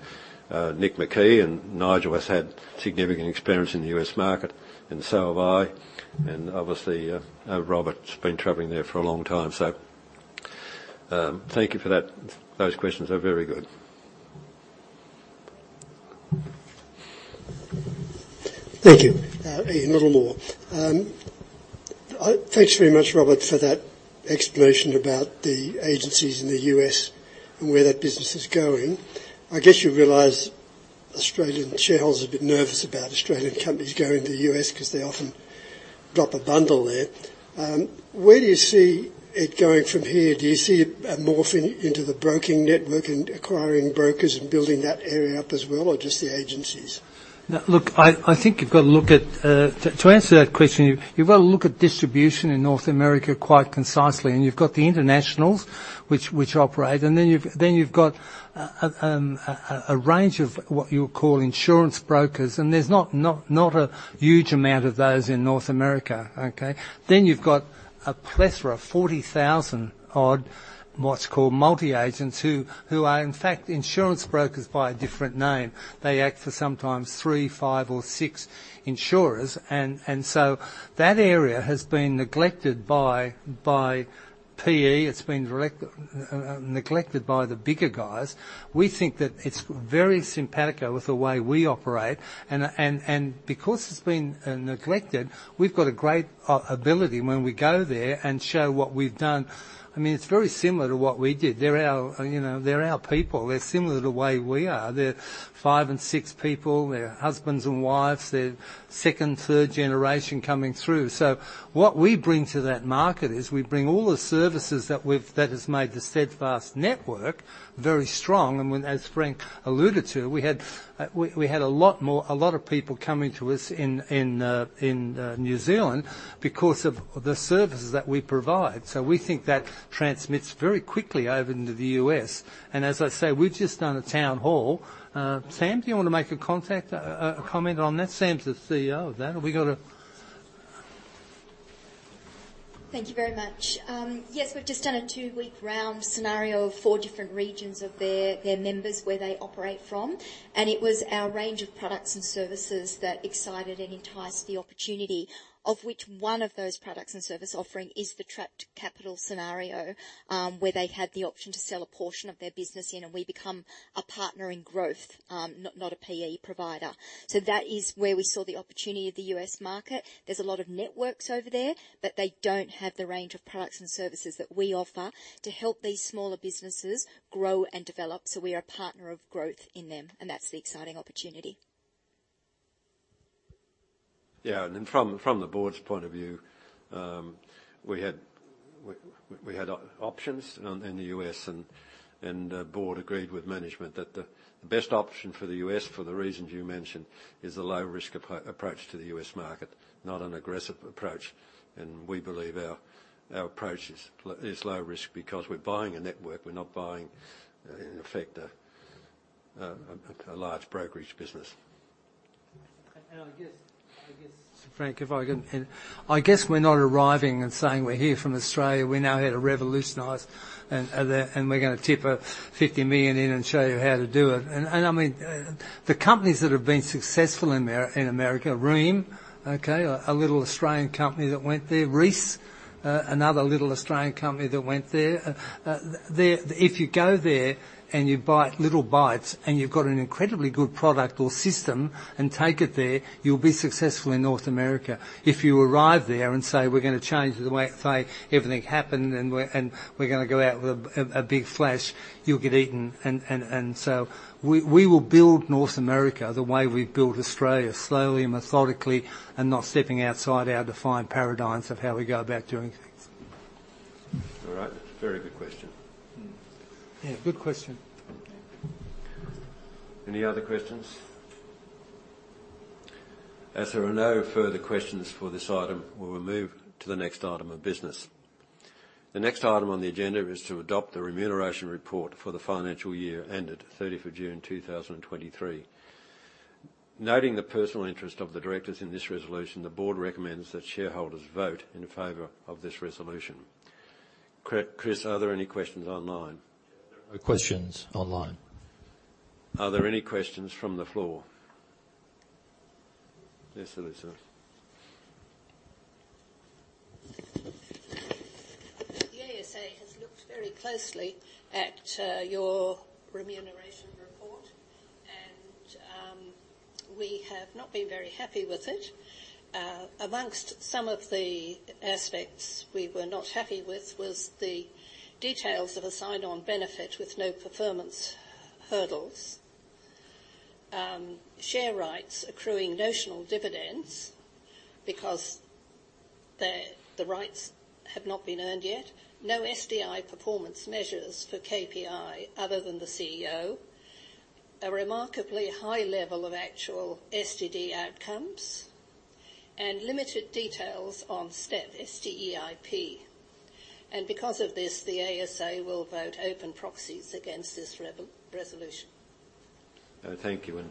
Nick McKee, and Nigel has had significant experience in the U.S. market, and so have I. Obviously, Robert's been traveling there for a long time, so, thank you for that. Those questions are very good. Thank you. Ian Littlemore. Thanks very much, Robert, for that explanation about the agencies in the U.S. and where that business is going. I guess you realize Australian shareholders are a bit nervous about Australian companies going to the U.S. because they often drop a bundle there. Where do you see it going from here? Do you see it morphing into the broking network and acquiring brokers and building that area up as well, or just the agencies? Now, look, I think you've got to look at... To answer that question, you've got to look at distribution in North America quite concisely, and you've got the internationals, which operate, and then you've got a range of what you would call insurance brokers, and there's not a huge amount of those in North America, okay? Then you've got a plethora of 40,000-odd multi-agents, who are, in fact, insurance brokers by a different name. They act for sometimes three, five or six insurers, and so that area has been neglected by PE, it's been neglected by the bigger guys. We think that it's very simpatico with the way we operate, and because it's been neglected, we've got a great ability when we go there and show what we've done. I mean, it's very similar to what we did. They're our, you know, they're our people. They're similar to the way we are. They're five and six people. They're husbands and wives. They're second, third generation coming through. So what we bring to that market is we bring all the services that we've, that has made the Steadfast network very strong, and when, as Frank alluded to, we had a lot more, a lot of people coming to us in New Zealand because of the services that we provide. So we think that transmits very quickly over into the U.S., and as I say, we've just done a town hall. Sam, do you wanna make a comment on that? Sam's the CEO of that. Have we got a- Thank you very much. Yes, we've just done a two-week round scenario of four different regions of their members, where they operate from. It was our range of products and services that excited and enticed the opportunity, of which one of those products and service offering is the Trapped Capital scenario, where they had the option to sell a portion of their business, you know, we become a partner in growth, not a PE provider. That is where we saw the opportunity of the US market. There's a lot of networks over there, but they don't have the range of products and services that we offer to help these smaller businesses grow and develop. We are a partner of growth in them, and that's the exciting opportunity. Yeah, and then from the board's point of view, we had options in the U.S., and the board agreed with management that the best option for the U.S., for the reasons you mentioned, is a low-risk approach to the U.S. market, not an aggressive approach. And we believe our approach is low risk because we're buying a network. We're not buying, in effect, a large brokerage business. I guess, Frank, if I can... I guess we're not arriving and saying, "We're here from Australia. We're now here to revolutionize, and the, and we're gonna tip $50 million in and show you how to do it." I mean, the companies that have been successful in America, Reece, okay, a little Australian company that went there. Reece, another little Australian company that went there. If you go there and you bite little bites, and you've got an incredibly good product or system and take it there, you'll be successful in North America. If you arrive there and say, We're gonna change the way, say, everything happened, and we're gonna go out with a big flash, you'll get eaten. And so we will build North America the way we've built Australia, slowly and methodically, and not stepping outside our defined paradigms of how we go about doing things. All right. That's a very good question. Mm-hmm. Yeah, good question. Any other questions? As there are no further questions for this item, we will move to the next item of business. The next item on the agenda is to adopt the remuneration report for the financial year ended June 30 2023. Noting the personal interest of the directors in this resolution, the board recommends that shareholders vote in favor of this resolution. Chris, are there any questions online? There are no questions online. Are there any questions from the floor? Yes, Elizabeth. The ASA has looked very closely at your remuneration report, and we have not been very happy with it. Amongst some of the aspects we were not happy with was the details of a sign-on benefit with no performance hurdles. Share rights accruing notional dividends because the rights have not been earned yet. No STI performance measures for KPI, other than the CEO. A remarkably high level of actual STI outcomes and limited details on STEIP, S-T-E-I-P. And because of this, the ASA will vote open proxies against this resolution. Thank you.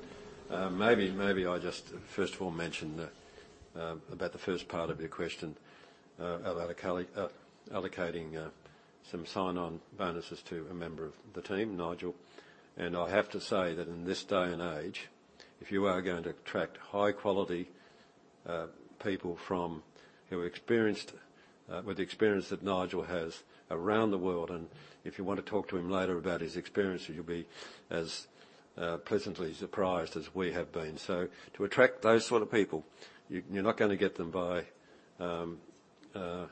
Maybe I'll just first of all mention about the first part of your question about allocating some sign-on bonuses to a member of the team, Nigel. I have to say that in this day and age, if you are going to attract high-quality people who are experienced with the experience that Nigel has around the world, and if you want to talk to him later about his experience, you'll be as pleasantly surprised as we have been. So to attract those sort of people, you're not gonna get them by not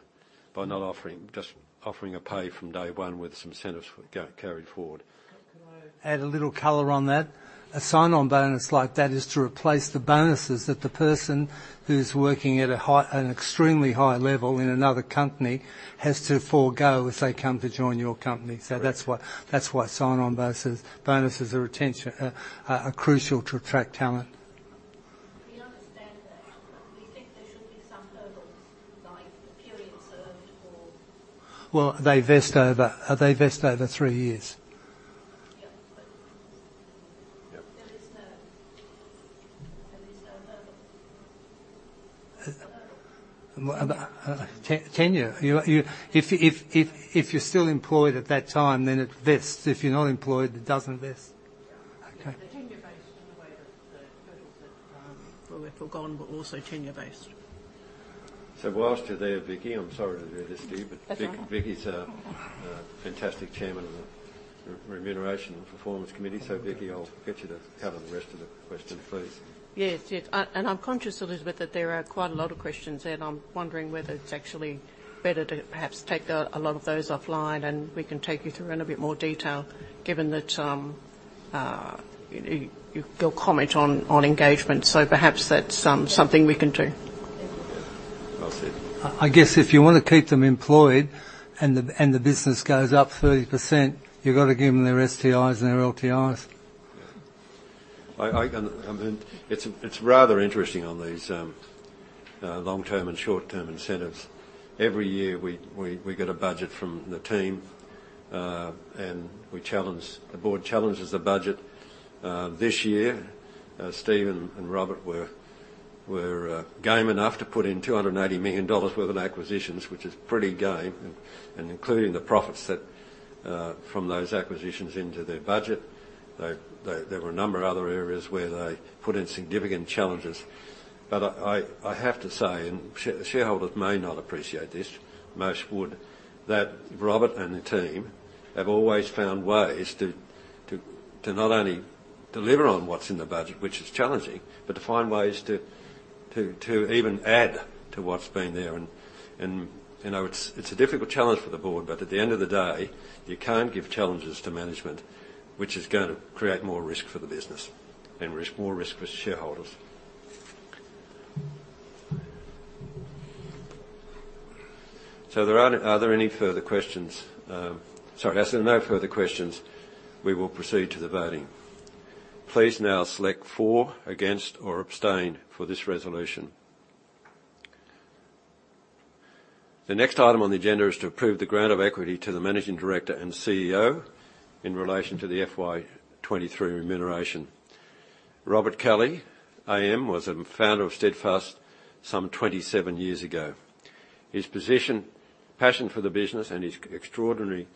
offering just offering a pay from day one with some incentives for carried forward. Can I add a little color on that? A sign-on bonus like that is to replace the bonuses that the person who's working at a high, an extremely high level in another company has to forego if they come to join your company. Right. So that's why, that's why sign-on bonuses, bonuses are retention, are crucial to attract talent. We understand that. We think there should be some hurdles, like periods served or- Well, they vest over three years. Yeah, but- Yeah ...there is no hurdle. A hurdle. Tenure. If you're still employed at that time, then it vests. If you're not employed, it doesn't vest. Yeah. Okay. They're tenure-based in the way that the hurdles that were foregone were also tenure-based. While you're there, Vicki, I'm sorry to do this to you- That's all right.... but Vicki, Vicki's a, a fantastic chairman of the Remuneration and Performance Committee. So, Vicki, I'll get you to cover the rest of the question, please. Yes, yes. And I'm conscious, Elizabeth, that there are quite a lot of questions, and I'm wondering whether it's actually better to perhaps take a lot of those offline, and we can take you through in a bit more detail, given that you, your comment on engagement. So perhaps that's something we can do. I guess if you want to keep them employed and the business goes up 30%, you've got to give them their STIs and their LTIs. Yeah. It's rather interesting on these long-term and short-term incentives. Every year, we get a budget from the team, and the board challenges the budget. This year, Steve and Robert were game enough to put in 280 million dollars worth of acquisitions, which is pretty game, and including the profits from those acquisitions into their budget. There were a number of other areas where they put in significant challenges. But I have to say, and shareholders may not appreciate this, most would, that Robert and the team have always found ways to not only deliver on what's in the budget, which is challenging, but to find ways to even add to what's been there. You know, it's a difficult challenge for the board, but at the end of the day, you can't give challenges to management, which is gonna create more risk for the business and risk more risk for shareholders. So, are there any further questions? Sorry, as there are no further questions, we will proceed to the voting. Please now select for, against, or abstain for this resolution. The next item on the agenda is to approve the grant of equity to the Managing Director and CEO in relation to the FY 2023 remuneration. Robert Kelly AM was a founder of Steadfast some 27 years ago. His position, passion for the business, and his extraordinary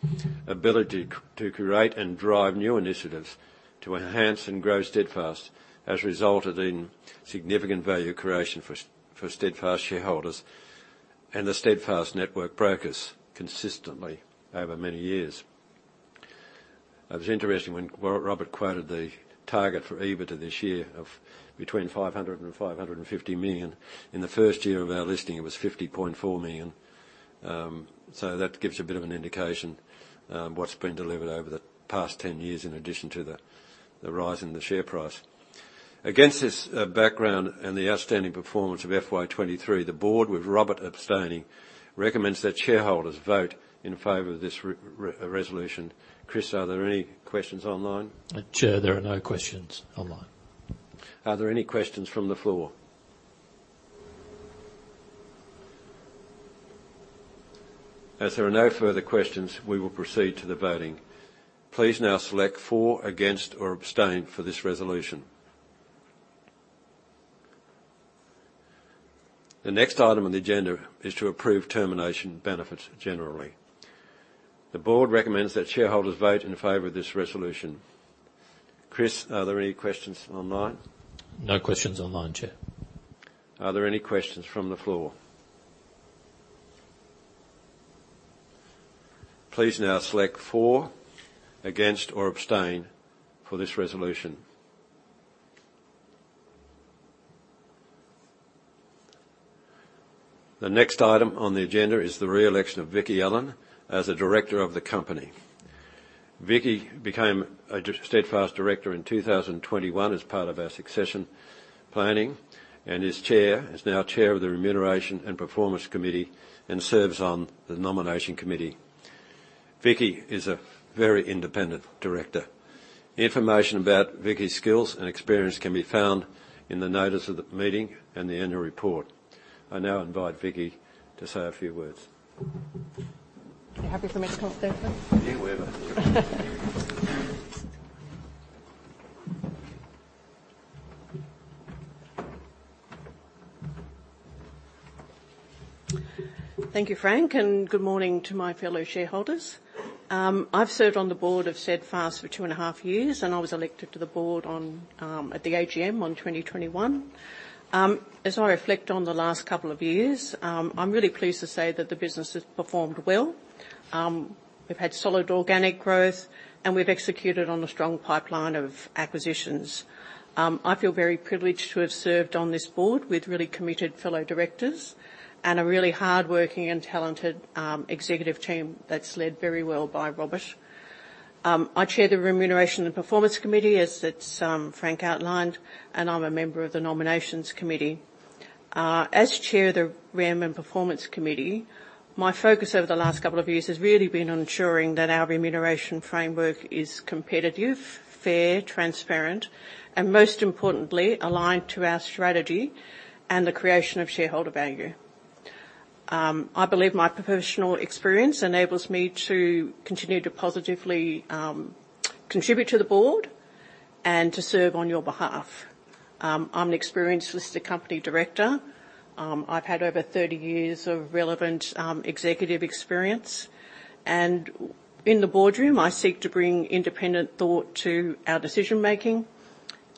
ability to create and drive new initiatives to enhance and grow Steadfast, has resulted in significant value creation for Steadfast shareholders and the Steadfast network brokers consistently over many years. It was interesting when Robert quoted the target for EBITDA this year of between 500 million and 550 million. In the first year of our listing, it was 50.4 million. So that gives you a bit of an indication, what's been delivered over the past 10 years, in addition to the rise in the share price. Against this background and the outstanding performance of FY 2023, the board, with Robert abstaining, recommends that shareholders vote in favor of this resolution. Chris, are there any questions online? Chair, there are no questions online. Are there any questions from the floor? As there are no further questions, we will proceed to the voting. Please now select for, against, or abstain for this resolution. The next item on the agenda is to approve termination benefits generally. The board recommends that shareholders vote in favor of this resolution. Chris, are there any questions online? No questions online, Chair. Are there any questions from the floor? Please now select for, against, or abstain for this resolution. The next item on the agenda is the re-election of Vicki Allen as a director of the company. Vicki became a Steadfast director in 2021 as part of our succession planning, and is chair, is now chair of the Remuneration and Performance Committee and serves on the Nomination Committee. Vicki is a very independent director. Information about Vicki's skills and experience can be found in the notice of the meeting and the annual report. I now invite Vicki to say a few words. You're happy for me to come up there, Frank? Yeah, wherever. Thank you, Frank, and good morning to my fellow shareholders. I've served on the board of Steadfast for two and a half years, and I was elected to the board on at the AGM on 2021. As I reflect on the last couple of years, I'm really pleased to say that the business has performed well. We've had solid organic growth, and we've executed on a strong pipeline of acquisitions. I feel very privileged to have served on this board with really committed fellow directors and a really hardworking and talented executive team that's led very well by Robert. I chair the Remuneration and Performance Committee, as Frank outlined, and I'm a member of the Nominations Committee. As Chair of the Remuneration and Performance Committee, my focus over the last couple of years has really been on ensuring that our remuneration framework is competitive, fair, transparent, and most importantly, aligned to our strategy and the creation of shareholder value. I believe my professional experience enables me to continue to positively contribute to the board and to serve on your behalf. I'm an experienced listed company director. I've had over 30 years of relevant executive experience, and in the boardroom, I seek to bring independent thought to our decision-making,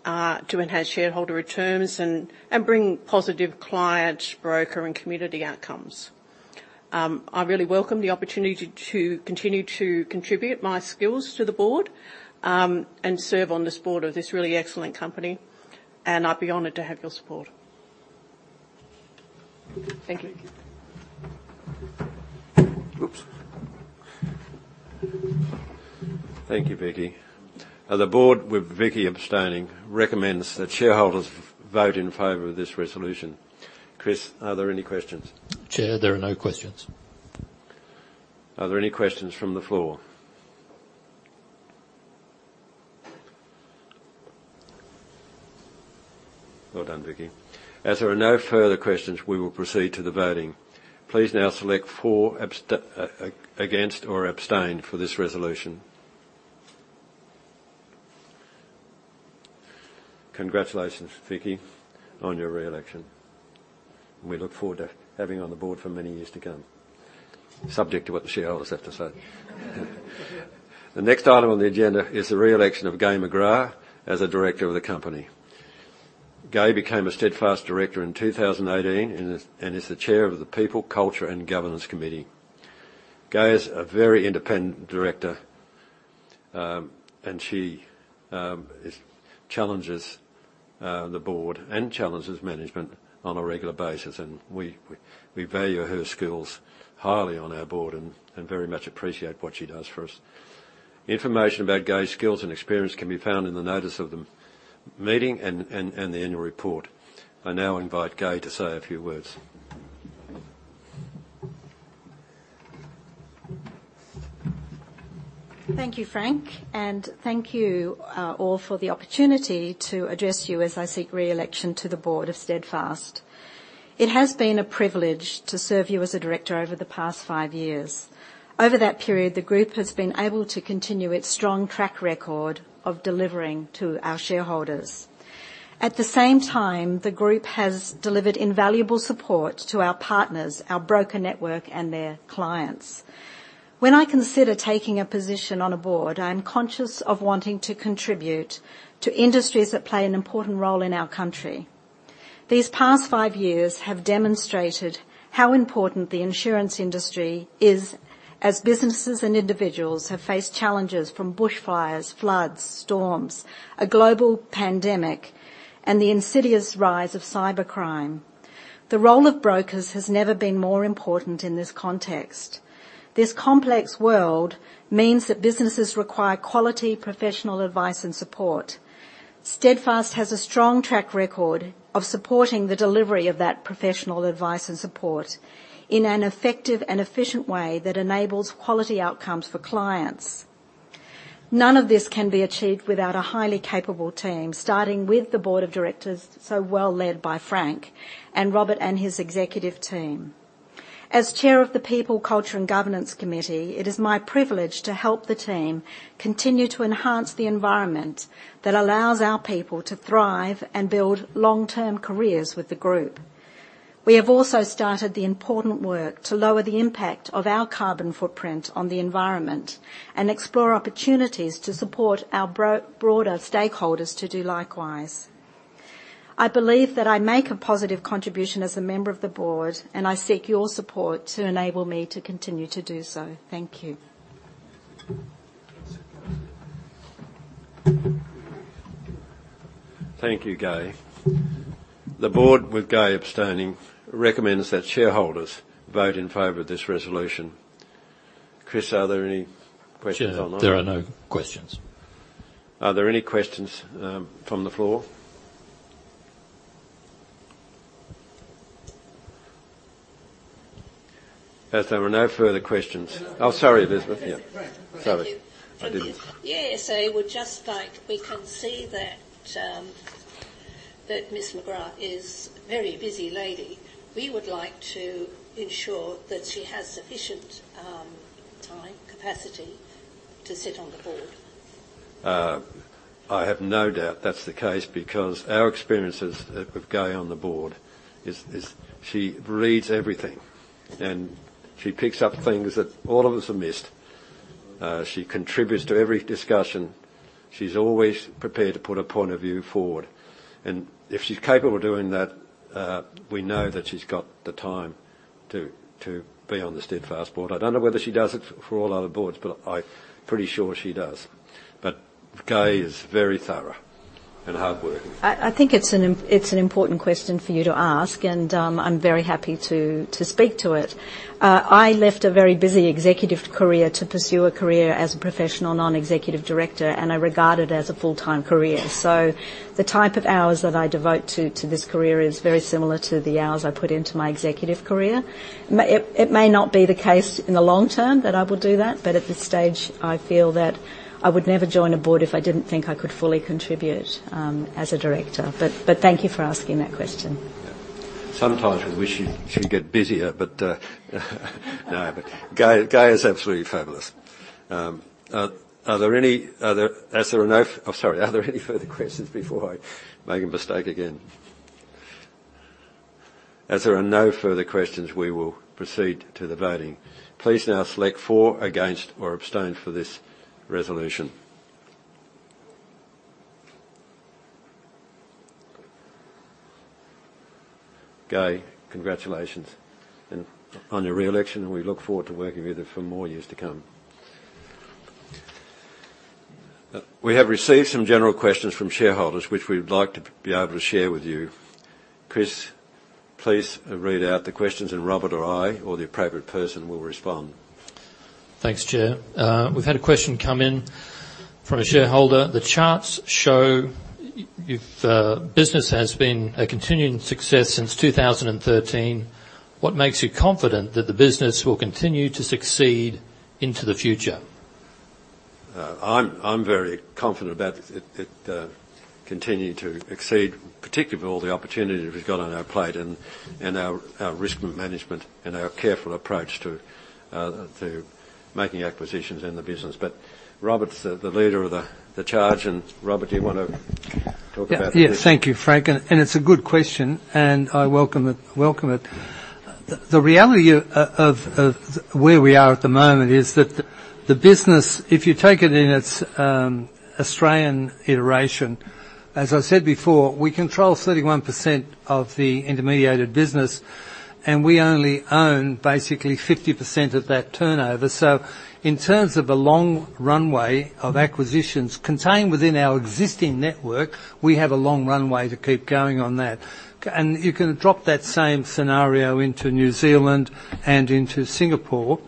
to enhance shareholder returns and, and bring positive client, broker, and community outcomes. I really welcome the opportunity to continue to contribute my skills to the board, and serve on this board of this really excellent company, and I'd be honored to have your support. Thank you. Oops! Thank you, Vicki. The board, with Vicki abstaining, recommends that shareholders vote in favor of this resolution. Chris, are there any questions? Chair, there are no questions. Are there any questions from the floor? Well done, Vicki. As there are no further questions, we will proceed to the voting. Please now select for, abstain, against or abstain for this resolution. Congratulations, Vicki, on your re-election. We look forward to having you on the board for many years to come, subject to what the shareholders have to say. The next item on the agenda is the re-election of Gai McGrath as a director of the company. Gai became a Steadfast director in 2018, and is the chair of the People, Culture and Governance Committee. Gai is a very independent director, and she challenges the board and challenges management on a regular basis, and we value her skills highly on our board and very much appreciate what she does for us. Information about Gai's skills and experience can be found in the notice of the meeting and the annual report. I now invite Gai to say a few words. Thank you, Frank, and thank you, all, for the opportunity to address you as I seek re-election to the board of Steadfast. It has been a privilege to serve you as a director over the past five years. Over that period, the group has been able to continue its strong track record of delivering to our shareholders. At the same time, the group has delivered invaluable support to our partners, our broker network, and their clients. When I consider taking a position on a board, I'm conscious of wanting to contribute to industries that play an important role in our country. These past five years have demonstrated how important the insurance industry is, as businesses and individuals have faced challenges from bushfires, floods, storms, a global pandemic, and the insidious rise of cybercrime. The role of brokers has never been more important in this context. This complex world means that businesses require quality, professional advice and support. Steadfast has a strong track record of supporting the delivery of that professional advice and support in an effective and efficient way that enables quality outcomes for clients. None of this can be achieved without a highly capable team, starting with the Board of Directors, so well led by Frank and Robert and his executive team. As Chair of the People, Culture and Governance Committee, it is my privilege to help the team continue to enhance the environment that allows our people to thrive and build long-term careers with the group. We have also started the important work to lower the impact of our carbon footprint on the environment and explore opportunities to support our broader stakeholders to do likewise. I believe that I make a positive contribution as a member of the board, and I seek your support to enable me to continue to do so. Thank you. Thank you, Gai. The board, with Gai abstaining, recommends that shareholders vote in favor of this resolution. Chris, are there any questions online? There are no questions. Are there any questions, from the floor? As there are no further questions... Oh, sorry, Elizabeth. Yeah. Frank. Sorry, I didn't- Yeah, so I would just like, we can see that, that Ms. McGrath is a very busy lady. We would like to ensure that she has sufficient, time, capacity, to sit on the board. I have no doubt that's the case, because our experiences with Gai on the board is she reads everything, and she picks up things that all of us have missed. She contributes to every discussion. She's always prepared to put a point of view forward, and if she's capable of doing that, we know that she's got the time to be on the Steadfast board. I don't know whether she does it for all other boards, but I'm pretty sure she does. But Gai is very thorough and hardworking. I think it's an important question for you to ask, and I'm very happy to speak to it. I left a very busy executive career to pursue a career as a professional non-executive director, and I regard it as a full-time career. So the type of hours that I devote to this career is very similar to the hours I put into my executive career. It may not be the case in the long term that I will do that, but at this stage, I feel that I would never join a board if I didn't think I could fully contribute as a director. But thank you for asking that question. Yeah. Sometimes we wish she'd get busier, but no, but Gai is absolutely fabulous. Are there any further questions before I make a mistake again? As there are no further questions, we will proceed to the voting. Please now select for, against, or abstain for this resolution. Gai, congratulations on your re-election, and we look forward to working with you for more years to come. We have received some general questions from shareholders, which we would like to be able to share with you. Chris, please read out the questions, and Robert or I, or the appropriate person, will respond. Thanks, Chair. We've had a question come in from a shareholder. The charts show business has been a continuing success since 2013. What makes you confident that the business will continue to succeed into the future? I'm very confident about it continuing to succeed, particularly with all the opportunities we've got on our plate and our risk management and our careful approach to making acquisitions in the business. But Robert's the leader of the charge, and Robert, do you wanna talk about this? Yeah. Yes, thank you, Frank, and it's a good question, and I welcome it, welcome it. The reality of where we are at the moment is that the business, if you take it in its Australian iteration, as I said before, we control 31% of the intermediated business, and we only own basically 50% of that turnover. So in terms of the long runway of acquisitions contained within our existing network, we have a long runway to keep going on that. You can drop that same scenario into New Zealand and into Singapore,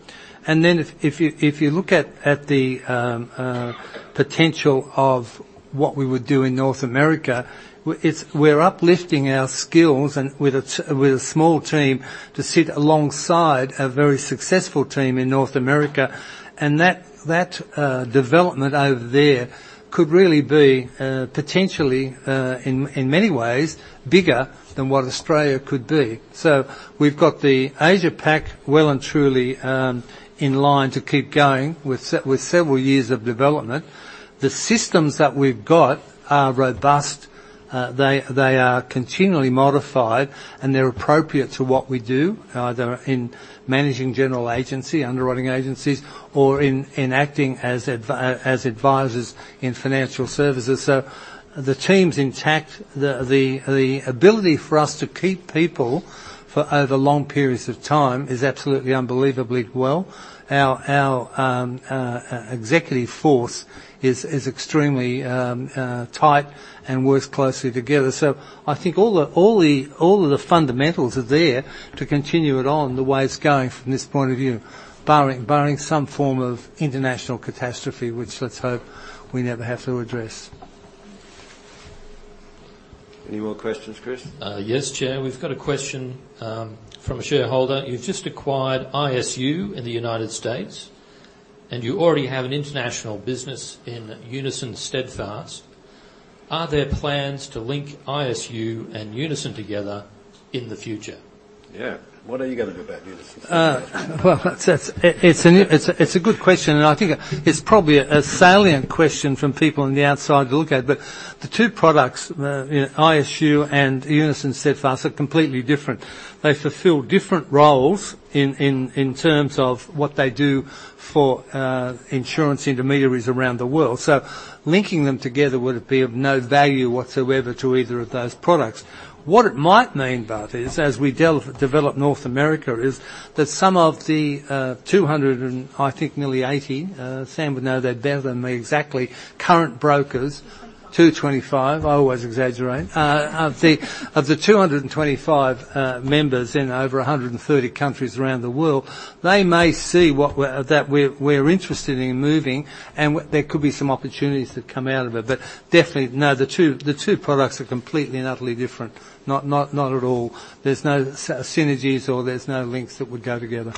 and then if you look at the potential of what we would do in North America, we're uplifting our skills and with a small team to sit alongside a very successful team in North America, and that development over there could really be potentially in many ways bigger than what Australia could be. So we've got the Asia Pac well and truly in line to keep going with several years of development. The systems that we've got are robust. They are continually modified, and they're appropriate to what we do, either in managing general agency, underwriting agencies, or in acting as advisors in financial services. So the team's intact. The ability for us to keep people for over long periods of time is absolutely unbelievably well. Our executive force is extremely tight and works closely together. So I think all of the fundamentals are there to continue it on the way it's going from this point of view, barring some form of international catastrophe, which let's hope we never have to address. Any more questions, Chris? Yes, Chair. We've got a question from a shareholder: "You've just acquired ISU in the United States, and you already have an international business in Unison Steadfast. Are there plans to link ISU and Unison together in the future? Yeah, what are you gonna do about Unison? Well, that's a good question, and I think it's probably a salient question from people on the outside to look at. But the two products, you know, ISU and Unison Steadfast are completely different. They fulfill different roles in terms of what they do for insurance intermediaries around the world. So linking them together would be of no value whatsoever to either of those products. What it might mean, though, is as we develop North America, is that some of the 200 and, I think, nearly 80, Sam would know that better than me, exactly, current brokers—225. 225. I always exaggerate. Of the 225 members in over 130 countries around the world, they may see that we're interested in moving, and there could be some opportunities that come out of it. But definitely, no, the two products are completely and utterly different, not at all. There's no synergies or there's no links that would go together.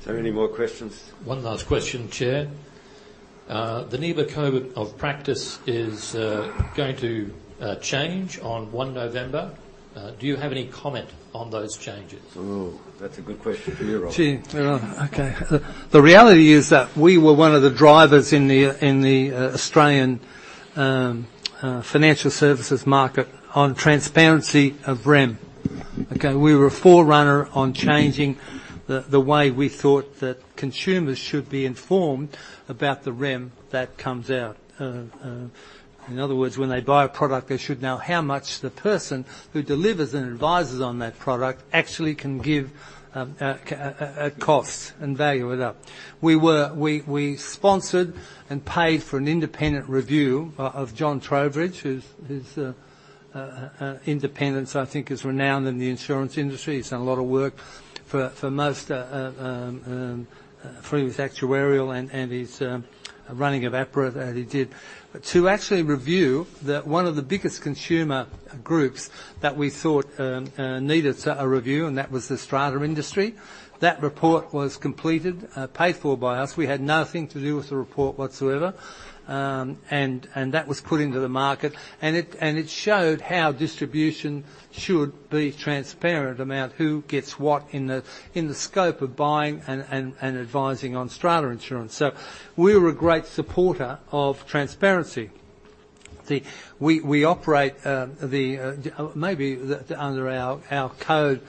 So, any more questions? One last question, Chair. The NIBA Code of Practice is going to change on November 1. Do you have any comment on those changes? Oh, that's a good question for you, Robert. Gee, okay. The reality is that we were one of the drivers in the, in the, Australian, financial services market on transparency of REM. Okay, we were a forerunner on changing the way we thought that consumers should be informed about the REM that comes out. In other words, when they buy a product, they should know how much the person who delivers and advises on that product actually can give, cost and value with that. We sponsored and paid for an independent review of John Trowbridge, whose independence, I think, is renowned in the insurance industry. He's done a lot of work for most, through his actuarial and his running of APRA, that he did. To actually review that one of the biggest consumer groups that we thought needed a review, and that was the strata industry. That report was completed, paid for by us. We had nothing to do with the report whatsoever. That was put into the market, and it showed how distribution should be transparent about who gets what in the scope of buying and advising on strata insurance. So we're a great supporter of transparency.... We operate under our code.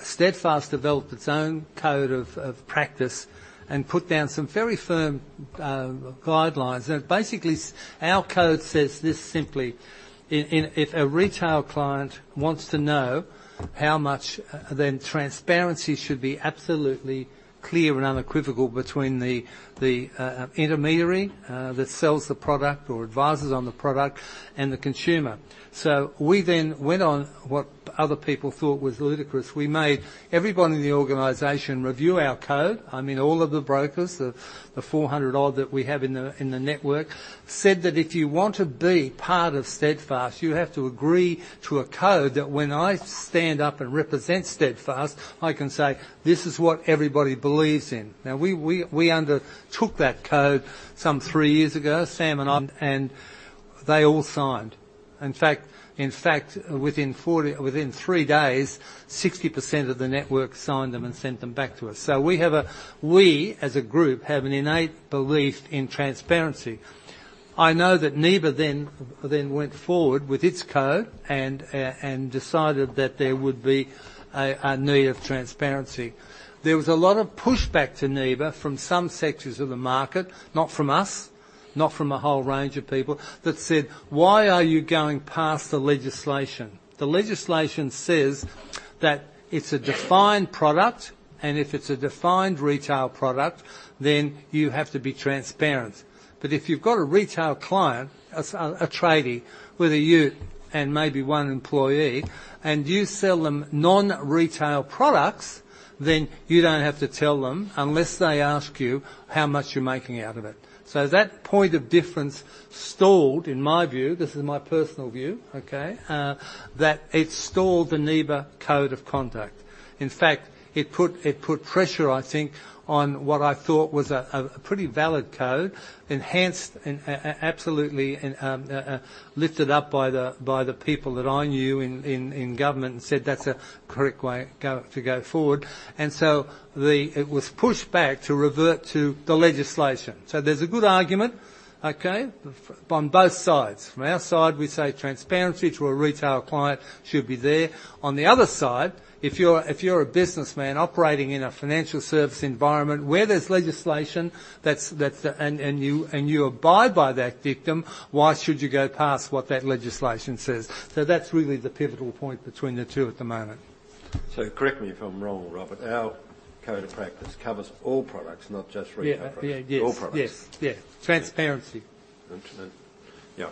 Steadfast developed its own code of practice and put down some very firm guidelines. Basically, our code says this simply, In if a retail client wants to know how much, then transparency should be absolutely clear and unequivocal between the intermediary that sells the product or advises on the product, and the consumer. So, we then went on what other people thought was ludicrous. We made everybody in the organization review our code. I mean, all of the brokers, the 400-odd that we have in the network, said that if you want to be part of Steadfast, you have to agree to a code that when I stand up and represent Steadfast, I can say. "This is what everybody believes in." Now, we undertook that code some three years ago, Sam and I, and they all signed. In fact, within three days, 60% of the network signed them and sent them back to us. So we, as a group, have an innate belief in transparency. I know that NIBA then went forward with its code and decided that there would be a need of transparency. There was a lot of pushback to NIBA from some sectors of the market, not from us, not from a whole range of people, that said. "Why are you going past the legislation?" The legislation says that it's a defined product, and if it's a defined retail product, then you have to be transparent. But if you've got a retail client, a tradie, with a you and maybe one employee, and you sell them non-retail products, then you don't have to tell them, unless they ask you, how much you're making out of it. So that point of difference stalled, in my view, this is my personal view, okay? That it stalled the NIBA code of conduct. In fact, it put pressure, I think, on what I thought was a pretty valid code, enhanced and absolutely, lifted up by the people that I knew in government and said that's a correct way to go forward. It was pushed back to revert to the legislation. So there's a good argument, okay, for on both sides. From our side, we say transparency to a retail client should be there. On the other side, if you're a businessman operating in a financial service environment where there's legislation that's... And you abide by that dictum, why should you go past what that legislation says? So that's really the pivotal point between the two at the moment. Correct me if I'm wrong, Robert, our code of practice covers all products, not just retail products. Yeah. Yeah, yes. All products. Yes, yeah. Transparency. Interesting. Yeah,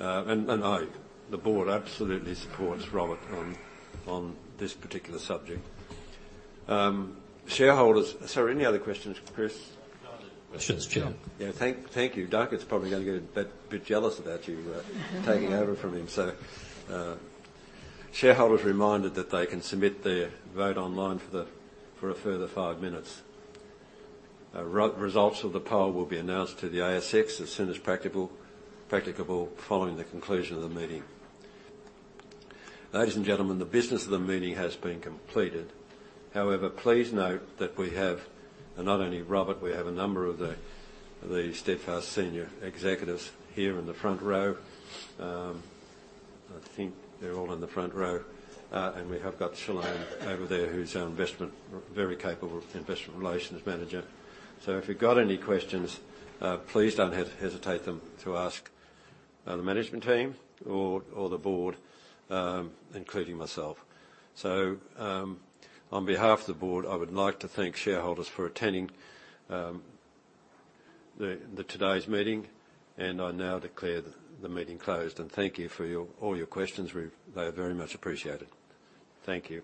and I, the board absolutely supports Robert on this particular subject. Shareholders... Sorry, any other questions, Chris? No other questions, Chair. Yeah, thank you. Duncan's probably gonna get a bit jealous about you taking over from him. So, shareholders are reminded that they can submit their vote online for a further five minutes. Results of the poll will be announced to the ASX as soon as practicable following the conclusion of the meeting. Ladies and gentlemen, the business of the meeting has been completed. However, please note that we have not only Robert, we have a number of the Steadfast senior executives here in the front row. I think they're all in the front row. And we have got Shalome over there, who's our very capable Investment Relations Manager. So if you've got any questions, please don't hesitate to ask the management team or the board, including myself. So, on behalf of the board, I would like to thank shareholders for attending today's meeting, and I now declare the meeting closed. Thank you for all your questions. They are very much appreciated. Thank you.